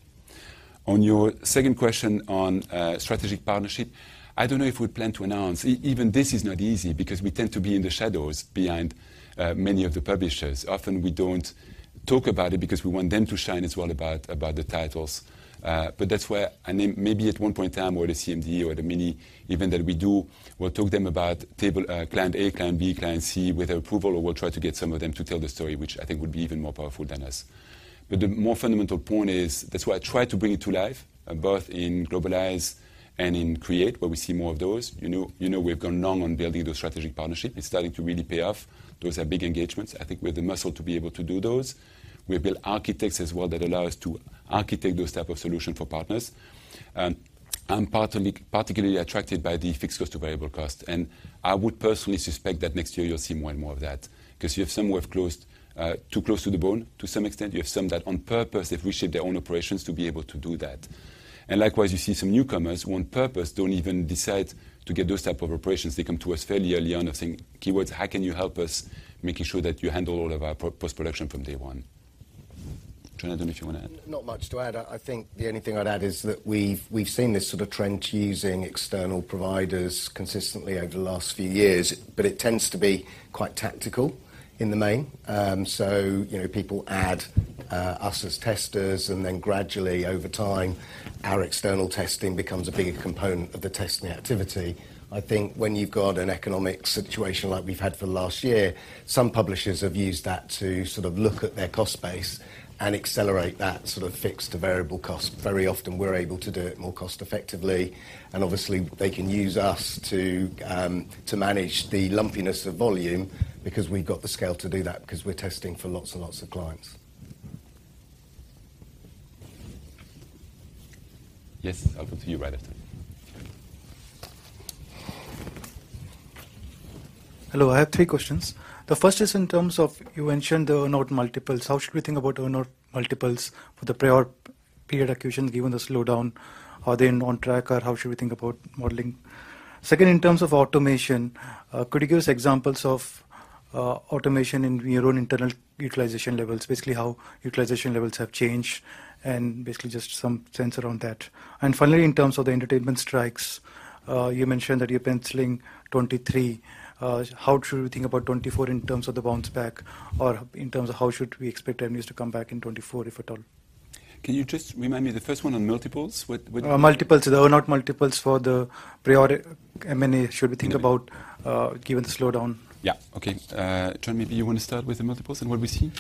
[SPEAKER 1] On your second question on strategic partnership, I don't know if we plan to announce. Even this is not easy because we tend to be in the shadows behind many of the publishers. Often, we don't talk about it because we want them to shine as well about, about the titles. But that's where, and then maybe at one point in time, where the CMD or the mini event that we do, we'll talk them about table, client A, client B, client C, with their approval, or we'll try to get some of them to tell the story, which I think would be even more powerful than us. But the more fundamental point is, that's why I try to bring it to life, both in Globalize and in Create, where we see more of those. You know, we've gone long on building those strategic partnership. It's starting to really pay off. Those are big engagements. I think we have the muscle to be able to do those. We build architects as well that allow us to architect those type of solution for partners. I'm partly particularly attracted by the fixed cost to variable cost, and I would personally suspect that next year you'll see more and more of that. Because you have some who have closed, too close to the bone, to some extent. You have some that, on purpose, have reshaped their own operations to be able to do that. And likewise, you see some newcomers who, on purpose, don't even decide to get those type of operations. They come to us fairly early on, I think, Keywords, "How can you help us, making sure that you handle all of our post-production from day one?" Jonathan, if you want to add.
[SPEAKER 5] Not much to add. I think the only thing I'd add is that we've seen this sort of trend using external providers consistently over the last few years, but it tends to be quite tactical in the main. So, you know, people add us as testers, and then gradually, over time, our external testing becomes a bigger component of the testing activity. I think when you've got an economic situation like we've had for the last year, some publishers have used that to sort of look at their cost base and accelerate that sort of fixed to variable cost. Very often, we're able to do it more cost effectively, and obviously, they can use us to manage the lumpiness of volume because we've got the scale to do that, because we're testing for lots and lots of clients.
[SPEAKER 1] Yes, I'll come to you right after.
[SPEAKER 3] Hello, I have three questions. The first is in terms of, you mentioned the earn-out multiples. How should we think about earn-out multiples for the prior period acquisition, given the slowdown? Are they on track, or how should we think about modeling? Second, in terms of automation, could you give us examples of, automation in your own internal utilization levels? Basically, how utilization levels have changed, and basically just some sense around that. And finally, in terms of the entertainment strikes, you mentioned that you're penciling 2023. How should we think about 2024 in terms of the bounce back, or in terms of how should we expect revenues to come back in 2024, if at all?
[SPEAKER 1] Can you just remind me, the first one on multiples? What?
[SPEAKER 3] Multiples, the earn-out multiples for the prior M&A. Should we think about, given the slowdown?
[SPEAKER 1] Yeah. Okay. Jon, maybe you want to start with the multiples and what we see?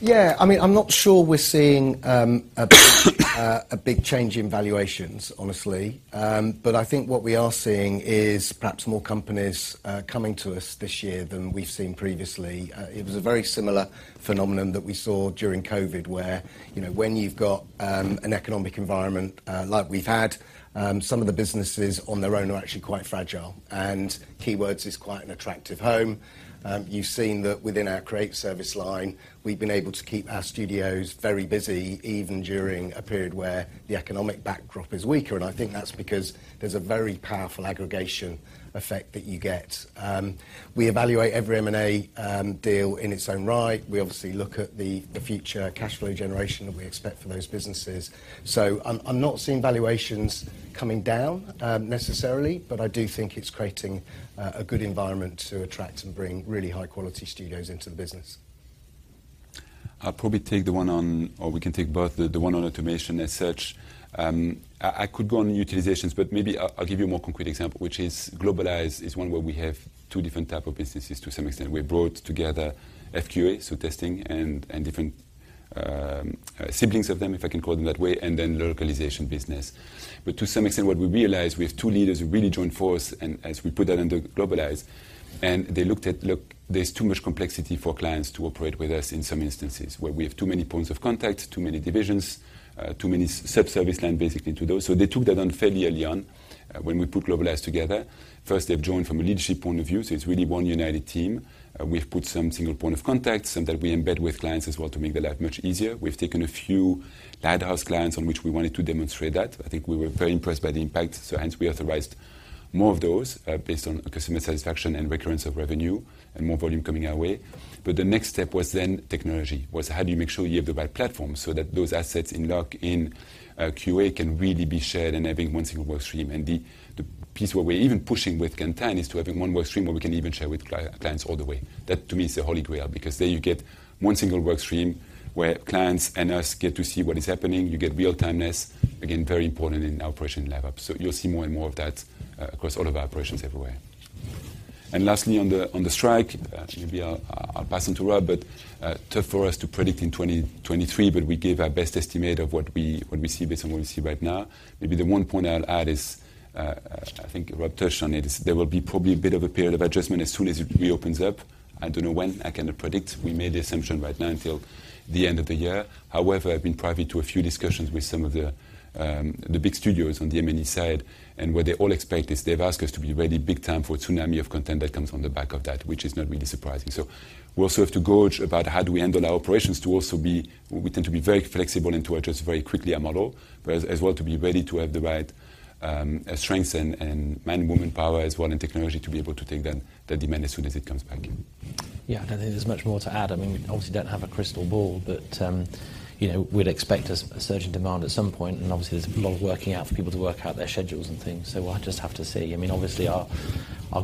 [SPEAKER 5] Yeah. I mean, I'm not sure we're seeing a big, a big change in valuations, honestly. But I think what we are seeing is perhaps more companies coming to us this year than we've seen previously. It was a very similar phenomenon that we saw during COVID, where, you know, when you've got an economic environment like we've had, some of the businesses on their own are actually quite fragile, and Keywords is quite an attractive home. You've seen that within our Create service line, we've been able to keep our studios very busy, even during a period where the economic backdrop is weaker. And I think that's because there's a very powerful aggregation effect that you get. We evaluate every M&A deal in its own right. We obviously look at the future cash flow generation that we expect from those businesses. So I'm not seeing valuations coming down, necessarily, but I do think it's creating a good environment to attract and bring really high-quality studios into the business.
[SPEAKER 1] I'll probably take the one on... Or we can take both. The one on automation as such, I could go on utilizations, but maybe I'll give you a more concrete example, which is Globalize is one where we have two different type of businesses to some extent. We brought together FQA, so testing, and different siblings of them, if I can call them that way, and then localization business. But to some extent, what we realized, we have two leaders who really joined force and as we put that under Globalize, and they looked at. Look, there's too much complexity for clients to operate with us in some instances, where we have too many points of contact, too many divisions, too many sub-service line, basically, to those. So they took that on fairly early on. When we put Globalize together, first, they've joined from a leadership point of view, so it's really one united team. We've put some single point of contact, something that we embed with clients as well to make the life much easier. We've taken a few lighthouse clients on which we wanted to demonstrate that. I think we were very impressed by the impact, so hence we authorized more of those, based on customer satisfaction and recurrence of revenue and more volume coming our way. But the next step was then technology, was how do you make sure you have the right platform so that those assets in XLOC in QA can really be shared and having one single work stream? And the piece where we're even pushing with content is to have one work stream where we can even share with clients all the way. That, to me, is the Holy Grail, because then you get one single work stream where clients and us get to see what is happening. You get real-timeness, again, very important in our operation lab. So you'll see more and more of that across all of our operations everywhere. And lastly, on the, on the strike, maybe I'll pass on to Rob, but tough for us to predict in 2023, but we gave our best estimate of what we see based on what we see right now. Maybe the one point I'll add is, I think Rob touched on it, is there will be probably a bit of a period of adjustment as soon as it reopens up. I don't know when. I cannot predict. We made the assumption right now until the end of the year. However, I've been privy to a few discussions with some of the big studios on the M&A side, and what they all expect is they've asked us to be ready big time for a tsunami of content that comes on the back of that, which is not really surprising. So we also have to gauge about how do we handle our operations to also be—we tend to be very flexible and to adjust very quickly our model, but as well, to be ready to have the right strength and man and woman power as well, and technology to be able to take the demand as soon as it comes back in.
[SPEAKER 2] Yeah, I don't think there's much more to add. I mean, we obviously don't have a crystal ball, but you know, we'd expect a surge in demand at some point, and obviously, there's a lot of working out for people to work out their schedules and things, so I'll just have to see. I mean, obviously, our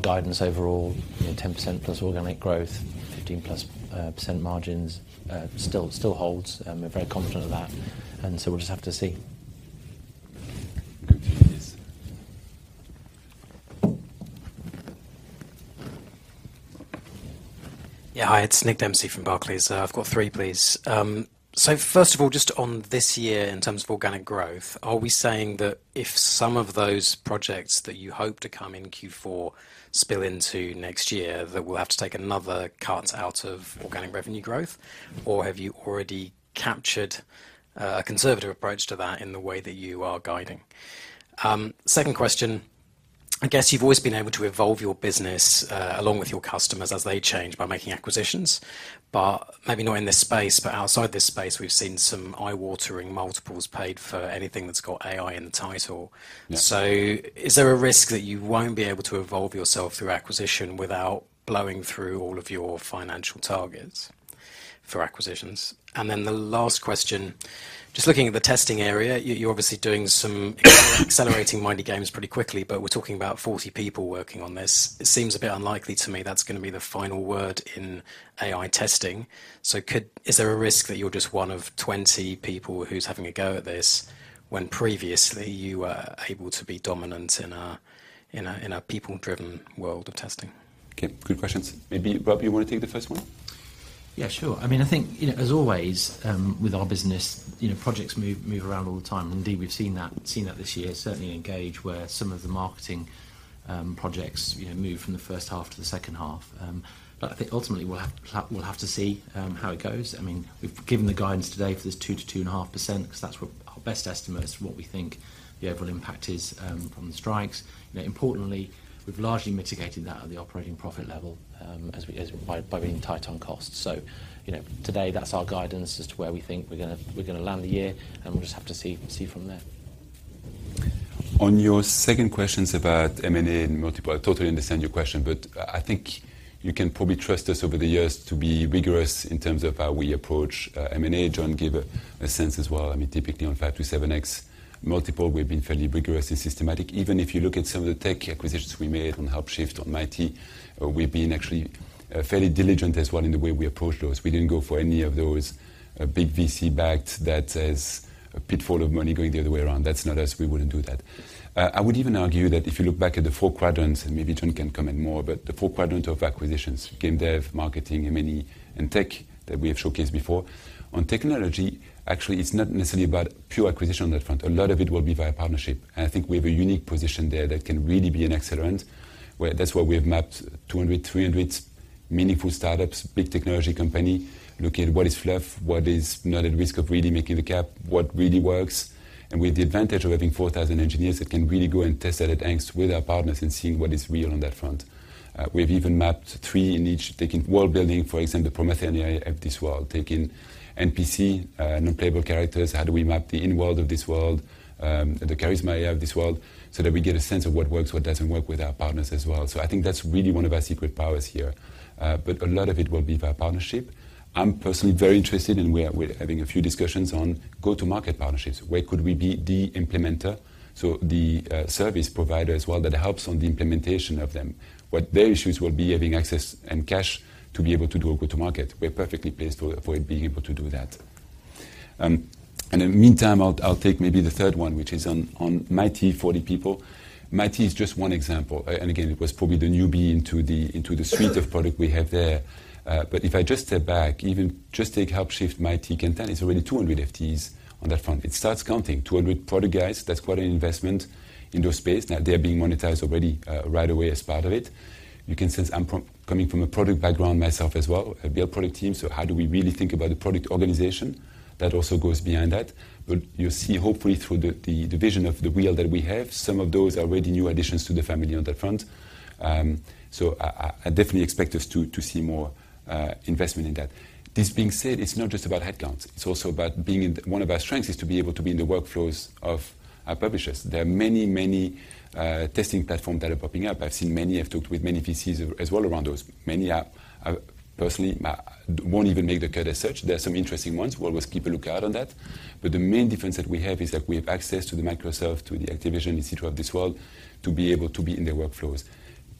[SPEAKER 2] guidance overall, you know, 10%+ organic growth, 15+% margins still holds, and we're very confident of that, and so we'll just have to see....
[SPEAKER 6] Yeah, hi, it's Nick Dempsey from Barclays. I've got three, please. So first of all, just on this year in terms of organic growth, are we saying that if some of those projects that you hope to come in Q4 spill into next year, that we'll have to take another cut out of organic revenue growth? Or have you already captured a conservative approach to that in the way that you are guiding? Second question, I guess you've always been able to evolve your business along with your customers as they change by making acquisitions, but maybe not in this space, but outside this space, we've seen some eye-watering multiples paid for anything that's got AI in the title.
[SPEAKER 1] Yeah.
[SPEAKER 6] So is there a risk that you won't be able to evolve yourself through acquisition without blowing through all of your financial targets for acquisitions? And then the last question, just looking at the testing area, you're obviously doing some accelerating Mighty Games pretty quickly, but we're talking about 40 people working on this. It seems a bit unlikely to me that's gonna be the final word in AI testing. So is there a risk that you're just one of 20 people who's having a go at this when previously you were able to be dominant in a people-driven world of testing?
[SPEAKER 1] Okay, good questions. Maybe, Rob, you want to take the first one?
[SPEAKER 2] Yeah, sure. I mean, I think, you know, as always, with our business, you know, projects move around all the time. Indeed, we've seen that this year, certainly in Engage, where some of the marketing projects, you know, moved from the first half to the second half. But I think ultimately, we'll have to see how it goes. I mean, we've given the guidance today for this 2%-2.5%, because that's what our best estimate is, what we think the overall impact is, from the strikes. You know, importantly, we've largely mitigated that at the operating profit level, as by being tight on costs. You know, today, that's our guidance as to where we think we're gonna land the year, and we'll just have to see from there.
[SPEAKER 1] On your second question about M&A and multiple, I totally understand your question, but I think you can probably trust us over the years to be rigorous in terms of how we approach M&A. Jon gave a sense as well. I mean, typically, on 5-7x multiple, we've been fairly rigorous and systematic. Even if you look at some of the tech acquisitions we made on Helpshift, on Mighty, we've been actually fairly diligent as well in the way we approach those. We didn't go for any of those big VC-backed that has a pitfall of money going the other way around. That's not us, we wouldn't do that. I would even argue that if you look back at the four quadrants, and maybe Jon can comment more, but the four quadrants of acquisitions, game dev, marketing, M&A, and tech, that we have showcased before. On technology, actually, it's not necessarily about pure acquisition on that front. A lot of it will be via partnership, and I think we have a unique position there that can really be an accelerant, where that's why we have mapped 200, 300 meaningful startups, big technology company, look at what is fluff, what is not at risk of really making the cut, what really works, and with the advantage of having 4,000 engineers, that can really go and test that at scale with our partners and seeing what is real on that front. We've even mapped three in each, taking world-building, for example, the Promethean AI of this world. Taking NPC, non-playable characters, how do we map the Inworld of this world, the Charisma AI of this world, so that we get a sense of what works, what doesn't work with our partners as well. So I think that's really one of our secret powers here. But a lot of it will be via partnership. I'm personally very interested, and we are—we're having a few discussions on go-to-market partnerships. Where could we be the implementer, so the, service provider as well, that helps on the implementation of them. What their issues will be, having access and cash to be able to do a go-to-market. We're perfectly placed for being able to do that. And in the meantime, I'll take maybe the third one, which is on Mighty, 40 people. Mighty is just one example. And again, it was probably the newbie into the suite of product we have there. But if I just step back, even just take Helpshift, Mighty, Kantan, it's already 200 FTEs on that front. It starts counting. 200 product guys, that's quite an investment in that space. Now, they're being monetized already right away as part of it. You can sense I'm pro- coming from a product background myself as well. I build product teams, so how do we really think about the product organization? That also goes beyond that. But you'll see hopefully through the vision of the wheel that we have, some of those already new additions to the family on that front. So I definitely expect us to see more investment in that. This being said, it's not just about headcount. It's also about being in... One of our strengths is to be able to be in the workflows of our publishers. There are many, many testing platforms that are popping up. I've seen many. I've talked with many VCs as well around those. Many are, personally, won't even make the cut as such. There are some interesting ones. We'll always keep a lookout on that. But the main difference that we have is that we have access to the Microsoft, to the Activision, et cetera, of this world, to be able to be in their workflows.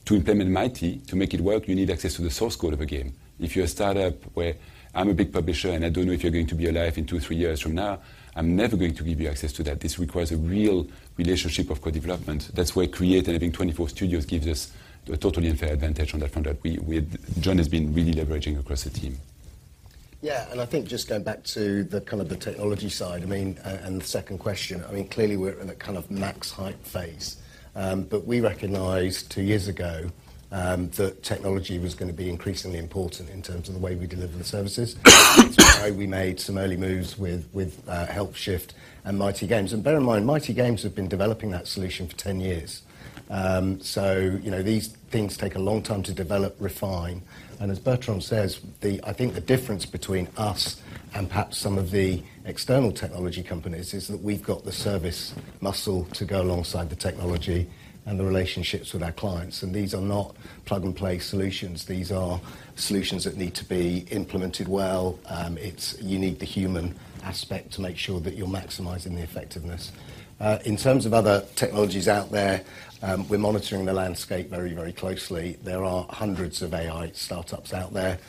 [SPEAKER 1] To implement Mighty, to make it work, you need access to the source code of a game. If you're a startup where I'm a big publisher and I don't know if you're going to be alive in 2, 3 years from now, I'm never going to give you access to that. This requires a real relationship of co-development. That's why Create and I think 24 Studios gives us a totally unfair advantage on that front, that we, we-- Jon has been really leveraging across the team.
[SPEAKER 2] Yeah, and I think just going back to the kind of the technology side, I mean, and the second question, I mean, clearly, we're in a kind of max height phase. But we recognized two years ago that technology was gonna be increasingly important in terms of the way we deliver the services. That's why we made some early moves with Helpshift and Mighty. And bear in mind, Mighty have been developing that solution for 10 years. So, you know, these things take a long time to develop, refine, and as Bertrand says, the, I think the difference between us-...
[SPEAKER 5] and perhaps some of the external technology companies, is that we've got the service muscle to go alongside the technology and the relationships with our clients, and these are not plug-and-play solutions. These are solutions that need to be implemented well. It's you need the human aspect to make sure that you're maximizing the effectiveness. In terms of other technologies out there, we're monitoring the landscape very, very closely. There are hundreds of AI startups out there.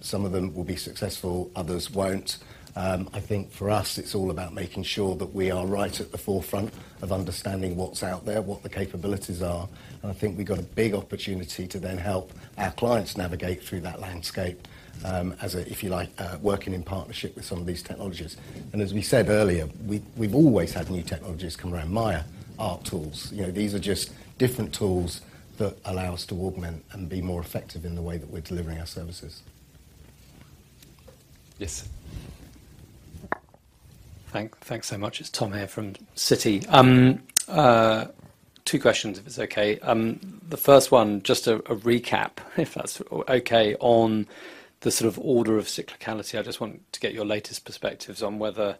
[SPEAKER 5] Some of them will be successful, others won't. I think for us, it's all about making sure that we are right at the forefront of understanding what's out there, what the capabilities are, and I think we've got a big opportunity to then help our clients navigate through that landscape, as a, if you like, working in partnership with some of these technologies. As we said earlier, we've always had new technologies come around. Maya, our tools, you know, these are just different tools that allow us to augment and be more effective in the way that we're delivering our services.
[SPEAKER 1] Yes.
[SPEAKER 7] Thanks so much. It's Tom here from Citi. Two questions, if it's okay. The first one, just a recap, if that's okay, on the sort of order of cyclicality. I just want to get your latest perspectives on whether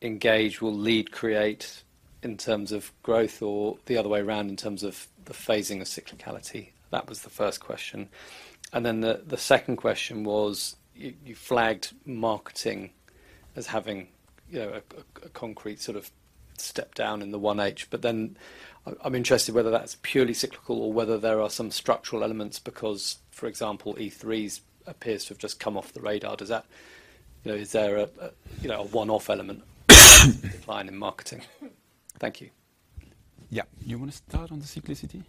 [SPEAKER 7] Engage will lead Create in terms of growth, or the other way around, in terms of the phasing of cyclicality. That was the first question. And then the second question was, you flagged marketing as having, you know, a concrete sort of step down in the H1. But then I'm interested whether that's purely cyclical or whether there are some structural elements because, for example, E3 appears to have just come off the radar. Does that... You know, is there a, you know, a one-off element in decline in marketing? Thank you.
[SPEAKER 1] Yeah. You want to start on the cyclicity?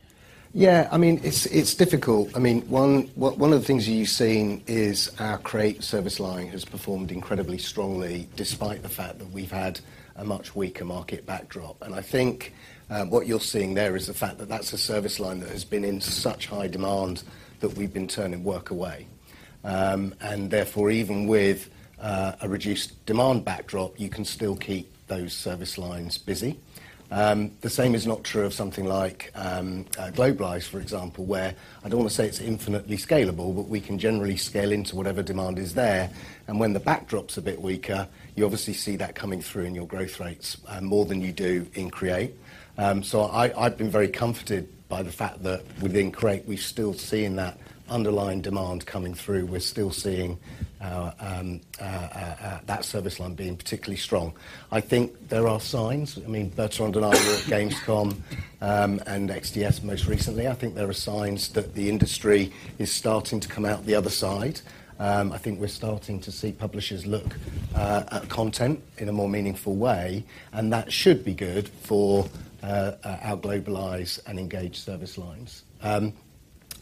[SPEAKER 5] Yeah. I mean, it's difficult. I mean, one of the things you've seen is our Create service line has performed incredibly strongly, despite the fact that we've had a much weaker market backdrop. And I think what you're seeing there is the fact that that's a service line that has been in such high demand that we've been turning work away. And therefore, even with a reduced demand backdrop, you can still keep those service lines busy. The same is not true of something like Globalize, for example, where I don't want to say it's infinitely scalable, but we can generally scale into whatever demand is there. And when the backdrop's a bit weaker, you obviously see that coming through in your growth rates more than you do in Create. So I've been very comforted by the fact that within Create, we're still seeing that underlying demand coming through. We're still seeing our that service line being particularly strong. I think there are signs. I mean, Bertrand and I were at Gamescom and XDS most recently. I think there are signs that the industry is starting to come out the other side. I think we're starting to see publishers look at content in a more meaningful way, and that should be good for our Globalize and Engage service lines.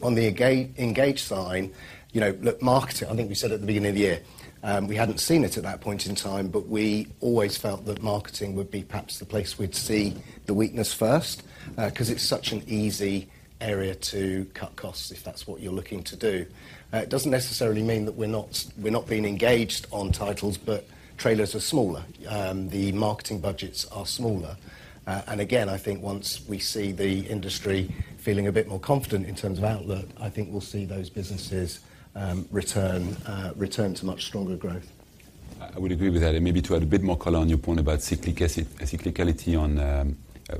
[SPEAKER 5] On the Engage, Engage sign, you know, look, marketing, I think we said at the beginning of the year, we hadn't seen it at that point in time, but we always felt that marketing would be perhaps the place we'd see the weakness first, 'cause it's such an easy area to cut costs, if that's what you're looking to do. It doesn't necessarily mean that we're not, we're not being engaged on titles, but trailers are smaller, the marketing budgets are smaller. And again, I think once we see the industry feeling a bit more confident in terms of outlook, I think we'll see those businesses, return to much stronger growth.
[SPEAKER 1] I would agree with that, and maybe to add a bit more color on your point about cyclicality on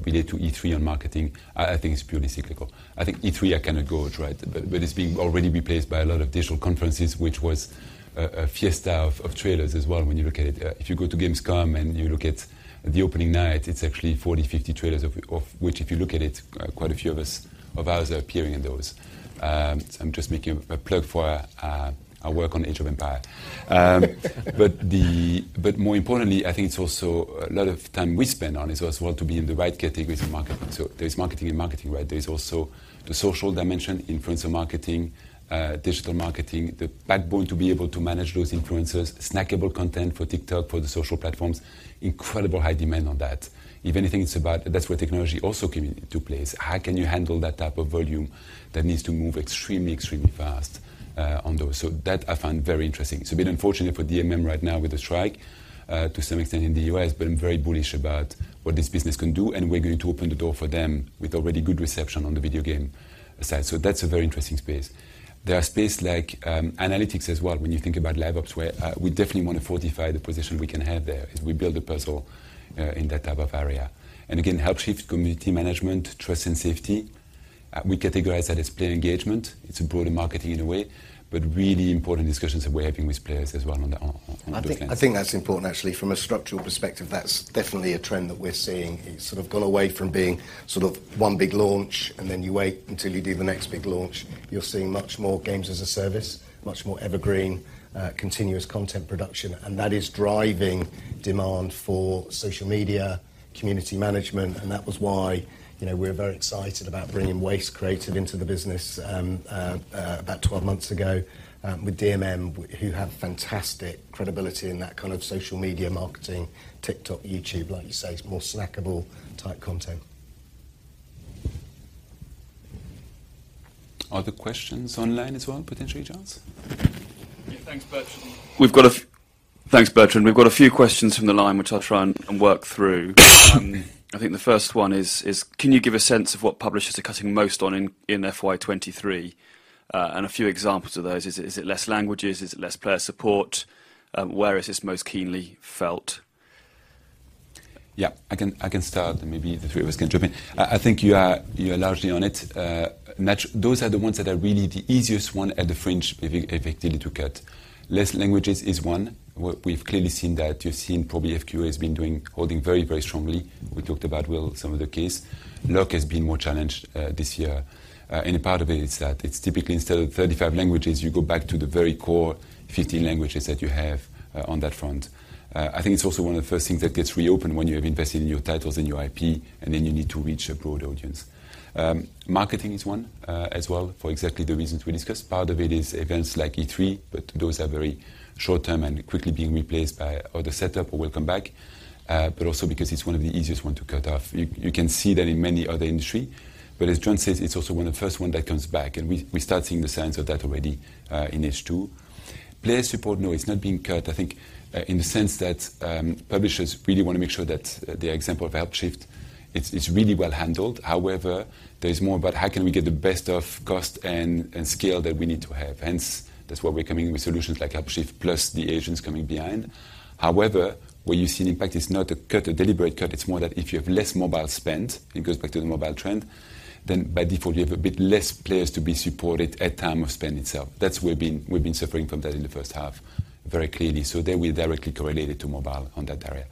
[SPEAKER 1] related to E3 and marketing. I think it's purely cyclical. I think E3 are gonna go, right, but it's being already replaced by a lot of digital conferences, which was a fiesta of trailers as well when you look at it. If you go to Gamescom and you look at the opening night, it's actually 40, 50 trailers of which, if you look at it, quite a few of ours are appearing in those. I'm just making a plug for our work on Age of Empires. But more importantly, I think it's also a lot of time we spend on it as well, to be in the right category for marketing. So there is marketing and marketing, right? There is also the social dimension, influencer marketing, digital marketing, the backbone to be able to manage those influencers, snackable content for TikTok, for the social platforms. Incredibly high demand on that. If anything, it's about... That's where technology also came into place. How can you handle that type of volume that needs to move extremely, extremely fast, on those? So that I find very interesting. It's a bit unfortunate for DMM right now with the strike, to some extent in the U.S., but I'm very bullish about what this business can do, and we're going to open the door for them with already good reception on the video game side. So that's a very interesting space. There are spaces like, analytics as well, when you think about lab ops, where, we definitely want to fortify the position we can have there as we build a puzzle, in that type of area. And again, Helpshift community management, trust, and safety. We categorize that as player engagement. It's broader marketing in a way, but really important discussions that we're having with players as well on the, those ends.
[SPEAKER 5] I think, I think that's important actually. From a structural perspective, that's definitely a trend that we're seeing. It's sort of gone away from being sort of one big launch, and then you wait until you do the next big launch. You're seeing much more games as a service, much more evergreen, continuous content production, and that is driving demand for social media, community management, and that was why, you know, we're very excited about bringing Waste Creative into the business, about 12 months ago, with DMM, who have fantastic credibility in that kind of social media marketing, TikTok, YouTube, like you say, it's more snackable type content.
[SPEAKER 1] Other questions online as well, potentially, James?
[SPEAKER 8] Yeah. Thanks, Bertrand. We've got a few questions from the line, which I'll try and work through. I think the first one is: Can you give a sense of what publishers are cutting most on in FY 2023? And a few examples of those. Is it less languages? Is it less player support? Where is this most keenly felt?...
[SPEAKER 1] Yeah, I can start, and maybe the three of us can jump in. I think you are largely on it. Those are the ones that are really the easiest one at the fringe, if effectively to cut. Less languages is one. We've clearly seen that. You've seen probably FQA has been doing, holding very, very strongly. We talked about, well, some of the case. Loc has been more challenged this year. And a part of it is that it's typically instead of 35 languages, you go back to the very core 15 languages that you have on that front. I think it's also one of the first things that gets reopened when you have invested in your titles, in your IP, and then you need to reach a broad audience. Marketing is one, as well, for exactly the reasons we discussed. Part of it is events like E3, but those are very short term and quickly being replaced by other setup or welcome back, but also because it's one of the easiest one to cut off. You, you can see that in many other industry, but as Jon says, it's also one of the first one that comes back, and we, we start seeing the signs of that already, in H2. Player support, no, it's not being cut. I think, in the sense that, publishers really want to make sure that the example of Helpshift, it's, it's really well handled. However, there is more about how can we get the best of cost and, and scale that we need to have? Hence, that's why we're coming with solutions like Helpshift, plus the agents coming behind. However, what you see in impact is not a cut, a deliberate cut. It's more that if you have less mobile spend, it goes back to the mobile trend, then by default, you have a bit less players to be supported at time of spend itself. That's where we've been suffering from that in the first half very clearly, so they will directly correlate it to mobile on that area.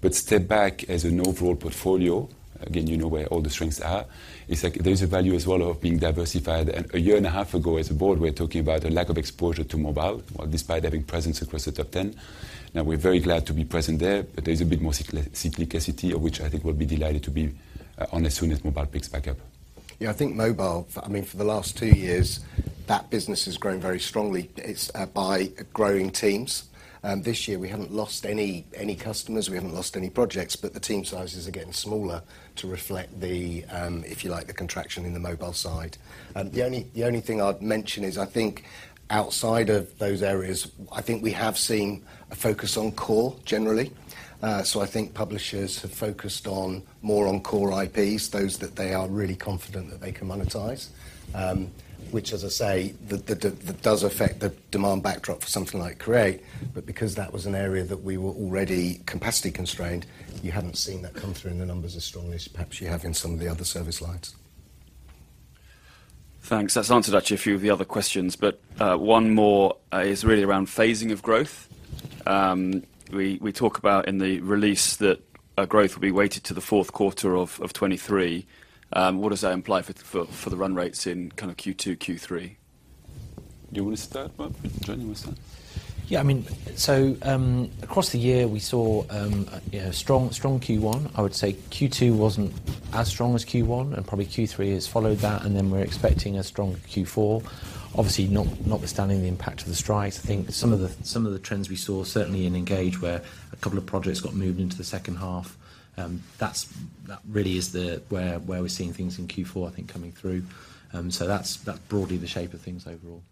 [SPEAKER 1] But step back as an overall portfolio, again, you know where all the strengths are. It's like there's a value as well of being diversified, and a year and a half ago, as a board, we were talking about a lack of exposure to mobile, well, despite having presence across the top ten. Now, we're very glad to be present there, but there's a bit more cyclicity, of which I think we'll be delighted to be on as soon as mobile picks back up.
[SPEAKER 5] Yeah, I think mobile, I mean, for the last two years, that business has grown very strongly. It's by growing teams. This year we haven't lost any customers, we haven't lost any projects, but the team sizes are getting smaller to reflect the, if you like, the contraction in the mobile side. The only thing I'd mention is, I think outside of those areas, I think we have seen a focus on core generally. So I think publishers have focused more on core IPs, those that they are really confident that they can monetize. Which, as I say, that does affect the demand backdrop for something like Create, but because that was an area that we were already capacity constrained, you haven't seen that come through in the numbers as strongly as perhaps you have in some of the other service lines.
[SPEAKER 3] Thanks. That's answered actually a few of the other questions, but one more is really around phasing of growth. We talk about in the release that growth will be weighted to the fourth quarter of 2023. What does that imply for the run rates in kind of Q2, Q3?
[SPEAKER 1] Do you want to start, Mark? Jonn, you want to start?
[SPEAKER 2] Yeah, I mean... So, across the year, we saw, you know, strong, strong Q1. I would say Q2 wasn't as strong as Q1, and probably Q3 has followed that, and then we're expecting a strong Q4. Obviously, notwithstanding the impact of the strikes, I think some of the, some of the trends we saw, certainly in Engage, where a couple of projects got moved into the second half, that's really where we're seeing things in Q4, I think, coming through. So that's broadly the shape of things overall.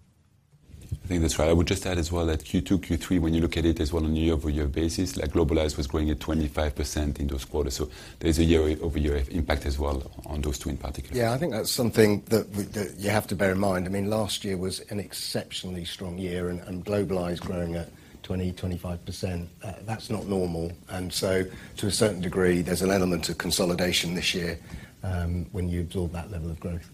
[SPEAKER 1] I think that's right. I would just add as well that Q2, Q3, when you look at it as well on a year-over-year basis, like, Globalize was growing at 25% in those quarters, so there's a year-over-year impact as well on those two in particular.
[SPEAKER 5] Yeah, I think that's something that we, that you have to bear in mind. I mean, last year was an exceptionally strong year and Globalize growing at 20%-25%, that's not normal. And so to a certain degree, there's an element of consolidation this year, when you absorb that level of growth.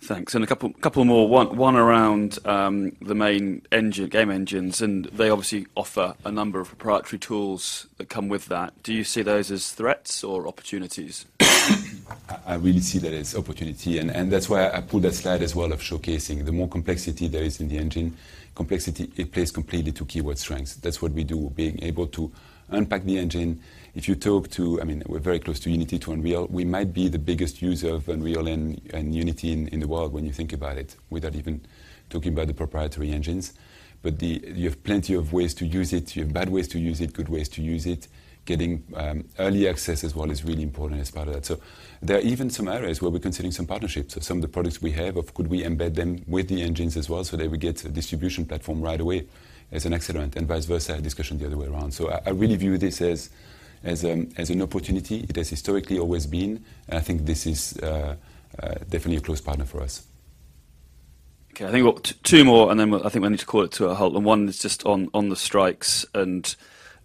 [SPEAKER 3] Thanks. And a couple more. One around the main engine, game engines, and they obviously offer a number of proprietary tools that come with that. Do you see those as threats or opportunities?
[SPEAKER 1] I really see that as opportunity, and that's why I put that slide as well of showcasing. The more complexity there is in the engine, it plays completely to Keywords' strengths. That's what we do, being able to unpack the engine. If you talk to... I mean, we're very close to Unity, to Unreal. We might be the biggest user of Unreal and Unity in the world when you think about it, without even talking about the proprietary engines. But you have plenty of ways to use it. You have bad ways to use it, good ways to use it. Getting early access as well is really important as part of that. So there are even some areas where we're considering some partnerships. Some of the products we have, or could we embed them with the engines as well, so that we get a distribution platform right away as an excellent, and vice versa, a discussion the other way around. So I really view this as an opportunity. It has historically always been, and I think this is definitely a close partner for us.
[SPEAKER 3] Okay, I think we've got two more, and then I think we need to call it to a halt. And one is just on the strikes, and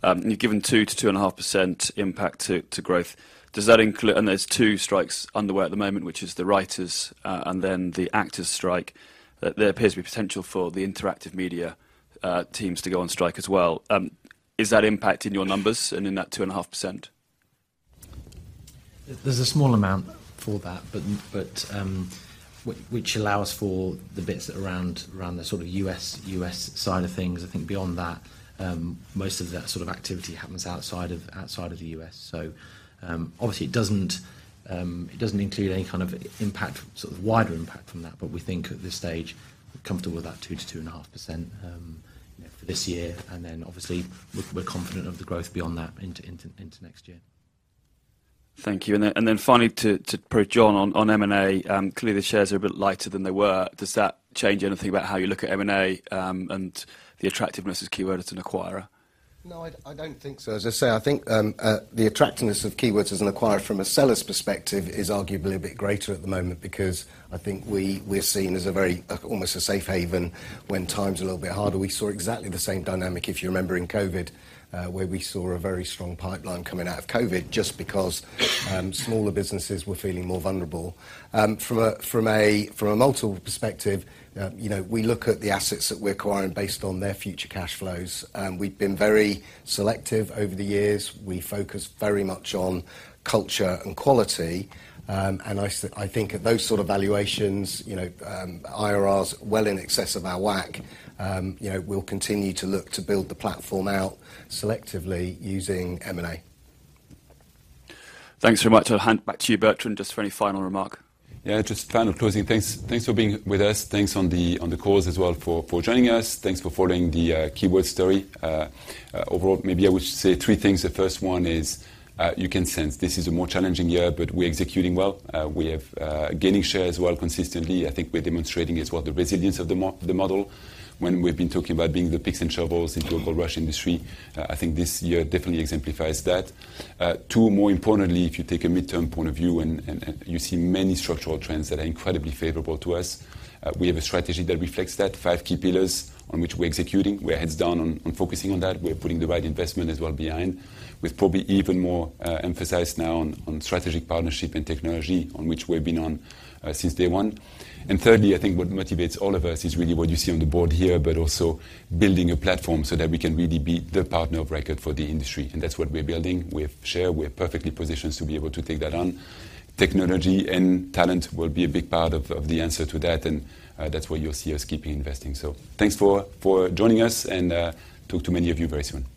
[SPEAKER 3] you've given 2%-2.5% impact to growth. Does that include—and there's two strikes underway at the moment, which is the writers and then the actors strike. There appears to be potential for the interactive media teams to go on strike as well. Is that impact in your numbers and in that 2.5%?
[SPEAKER 2] There's a small amount for that, which allows for the bits around the sort of US side of things. I think beyond that, most of the sort of activity happens outside of the US. So, obviously, it doesn't include any kind of impact, sort of wider impact from that, but we think at this stage, we're comfortable with that 2%-2.5% for this year, and then obviously, we're confident of the growth beyond that into next year.
[SPEAKER 3] Thank you. And then finally, to probe Jon on M&A, clearly, the shares are a bit lighter than they were. Does that change anything about how you look at M&A, and the attractiveness of Keywords as an acquirer?
[SPEAKER 5] No, I don't think so. As I say, I think the attractiveness of Keywords as an acquirer from a seller's perspective is arguably a bit greater at the moment, because I think we're seen as a very almost a safe haven when times are a little bit harder. We saw exactly the same dynamic, if you remember, in COVID, where we saw a very strong pipeline coming out of COVID just because smaller businesses were feeling more vulnerable. From a multiple perspective, you know, we look at the assets that we're acquiring based on their future cash flows, and we've been very selective over the years. We focus very much on culture and quality, and I think at those sort of valuations, you know, IRRs well in excess of our WACC, you know, we'll continue to look to build the platform out selectively using M&A.
[SPEAKER 8] Thanks very much. I'll hand back to you, Bertrand, just for any final remark.
[SPEAKER 1] Yeah, just final closing. Thanks, thanks for being with us. Thanks on the, on the calls as well for, for joining us. Thanks for following the Keywords story. Overall, maybe I would say three things. The first one is, you can sense this is a more challenging year, but we're executing well. We have gaining share as well, consistently. I think we're demonstrating as well the resilience of the model. When we've been talking about being the picks and shovels in gold rush industry, I think this year definitely exemplifies that. Two, more importantly, if you take a midterm point of view and you see many structural trends that are incredibly favorable to us, we have a strategy that reflects that, five key pillars on which we're executing. We're heads down on focusing on that. We're putting the right investment as well behind, with probably even more emphasis now on strategic partnership and technology, on which we've been on since day one. And thirdly, I think what motivates all of us is really what you see on the board here, but also building a platform so that we can really be the partner of record for the industry, and that's what we're building. We have share, we're perfectly positioned to be able to take that on. Technology and talent will be a big part of the answer to that, and that's where you'll see us keeping investing. So thanks for joining us, and talk to many of you very soon.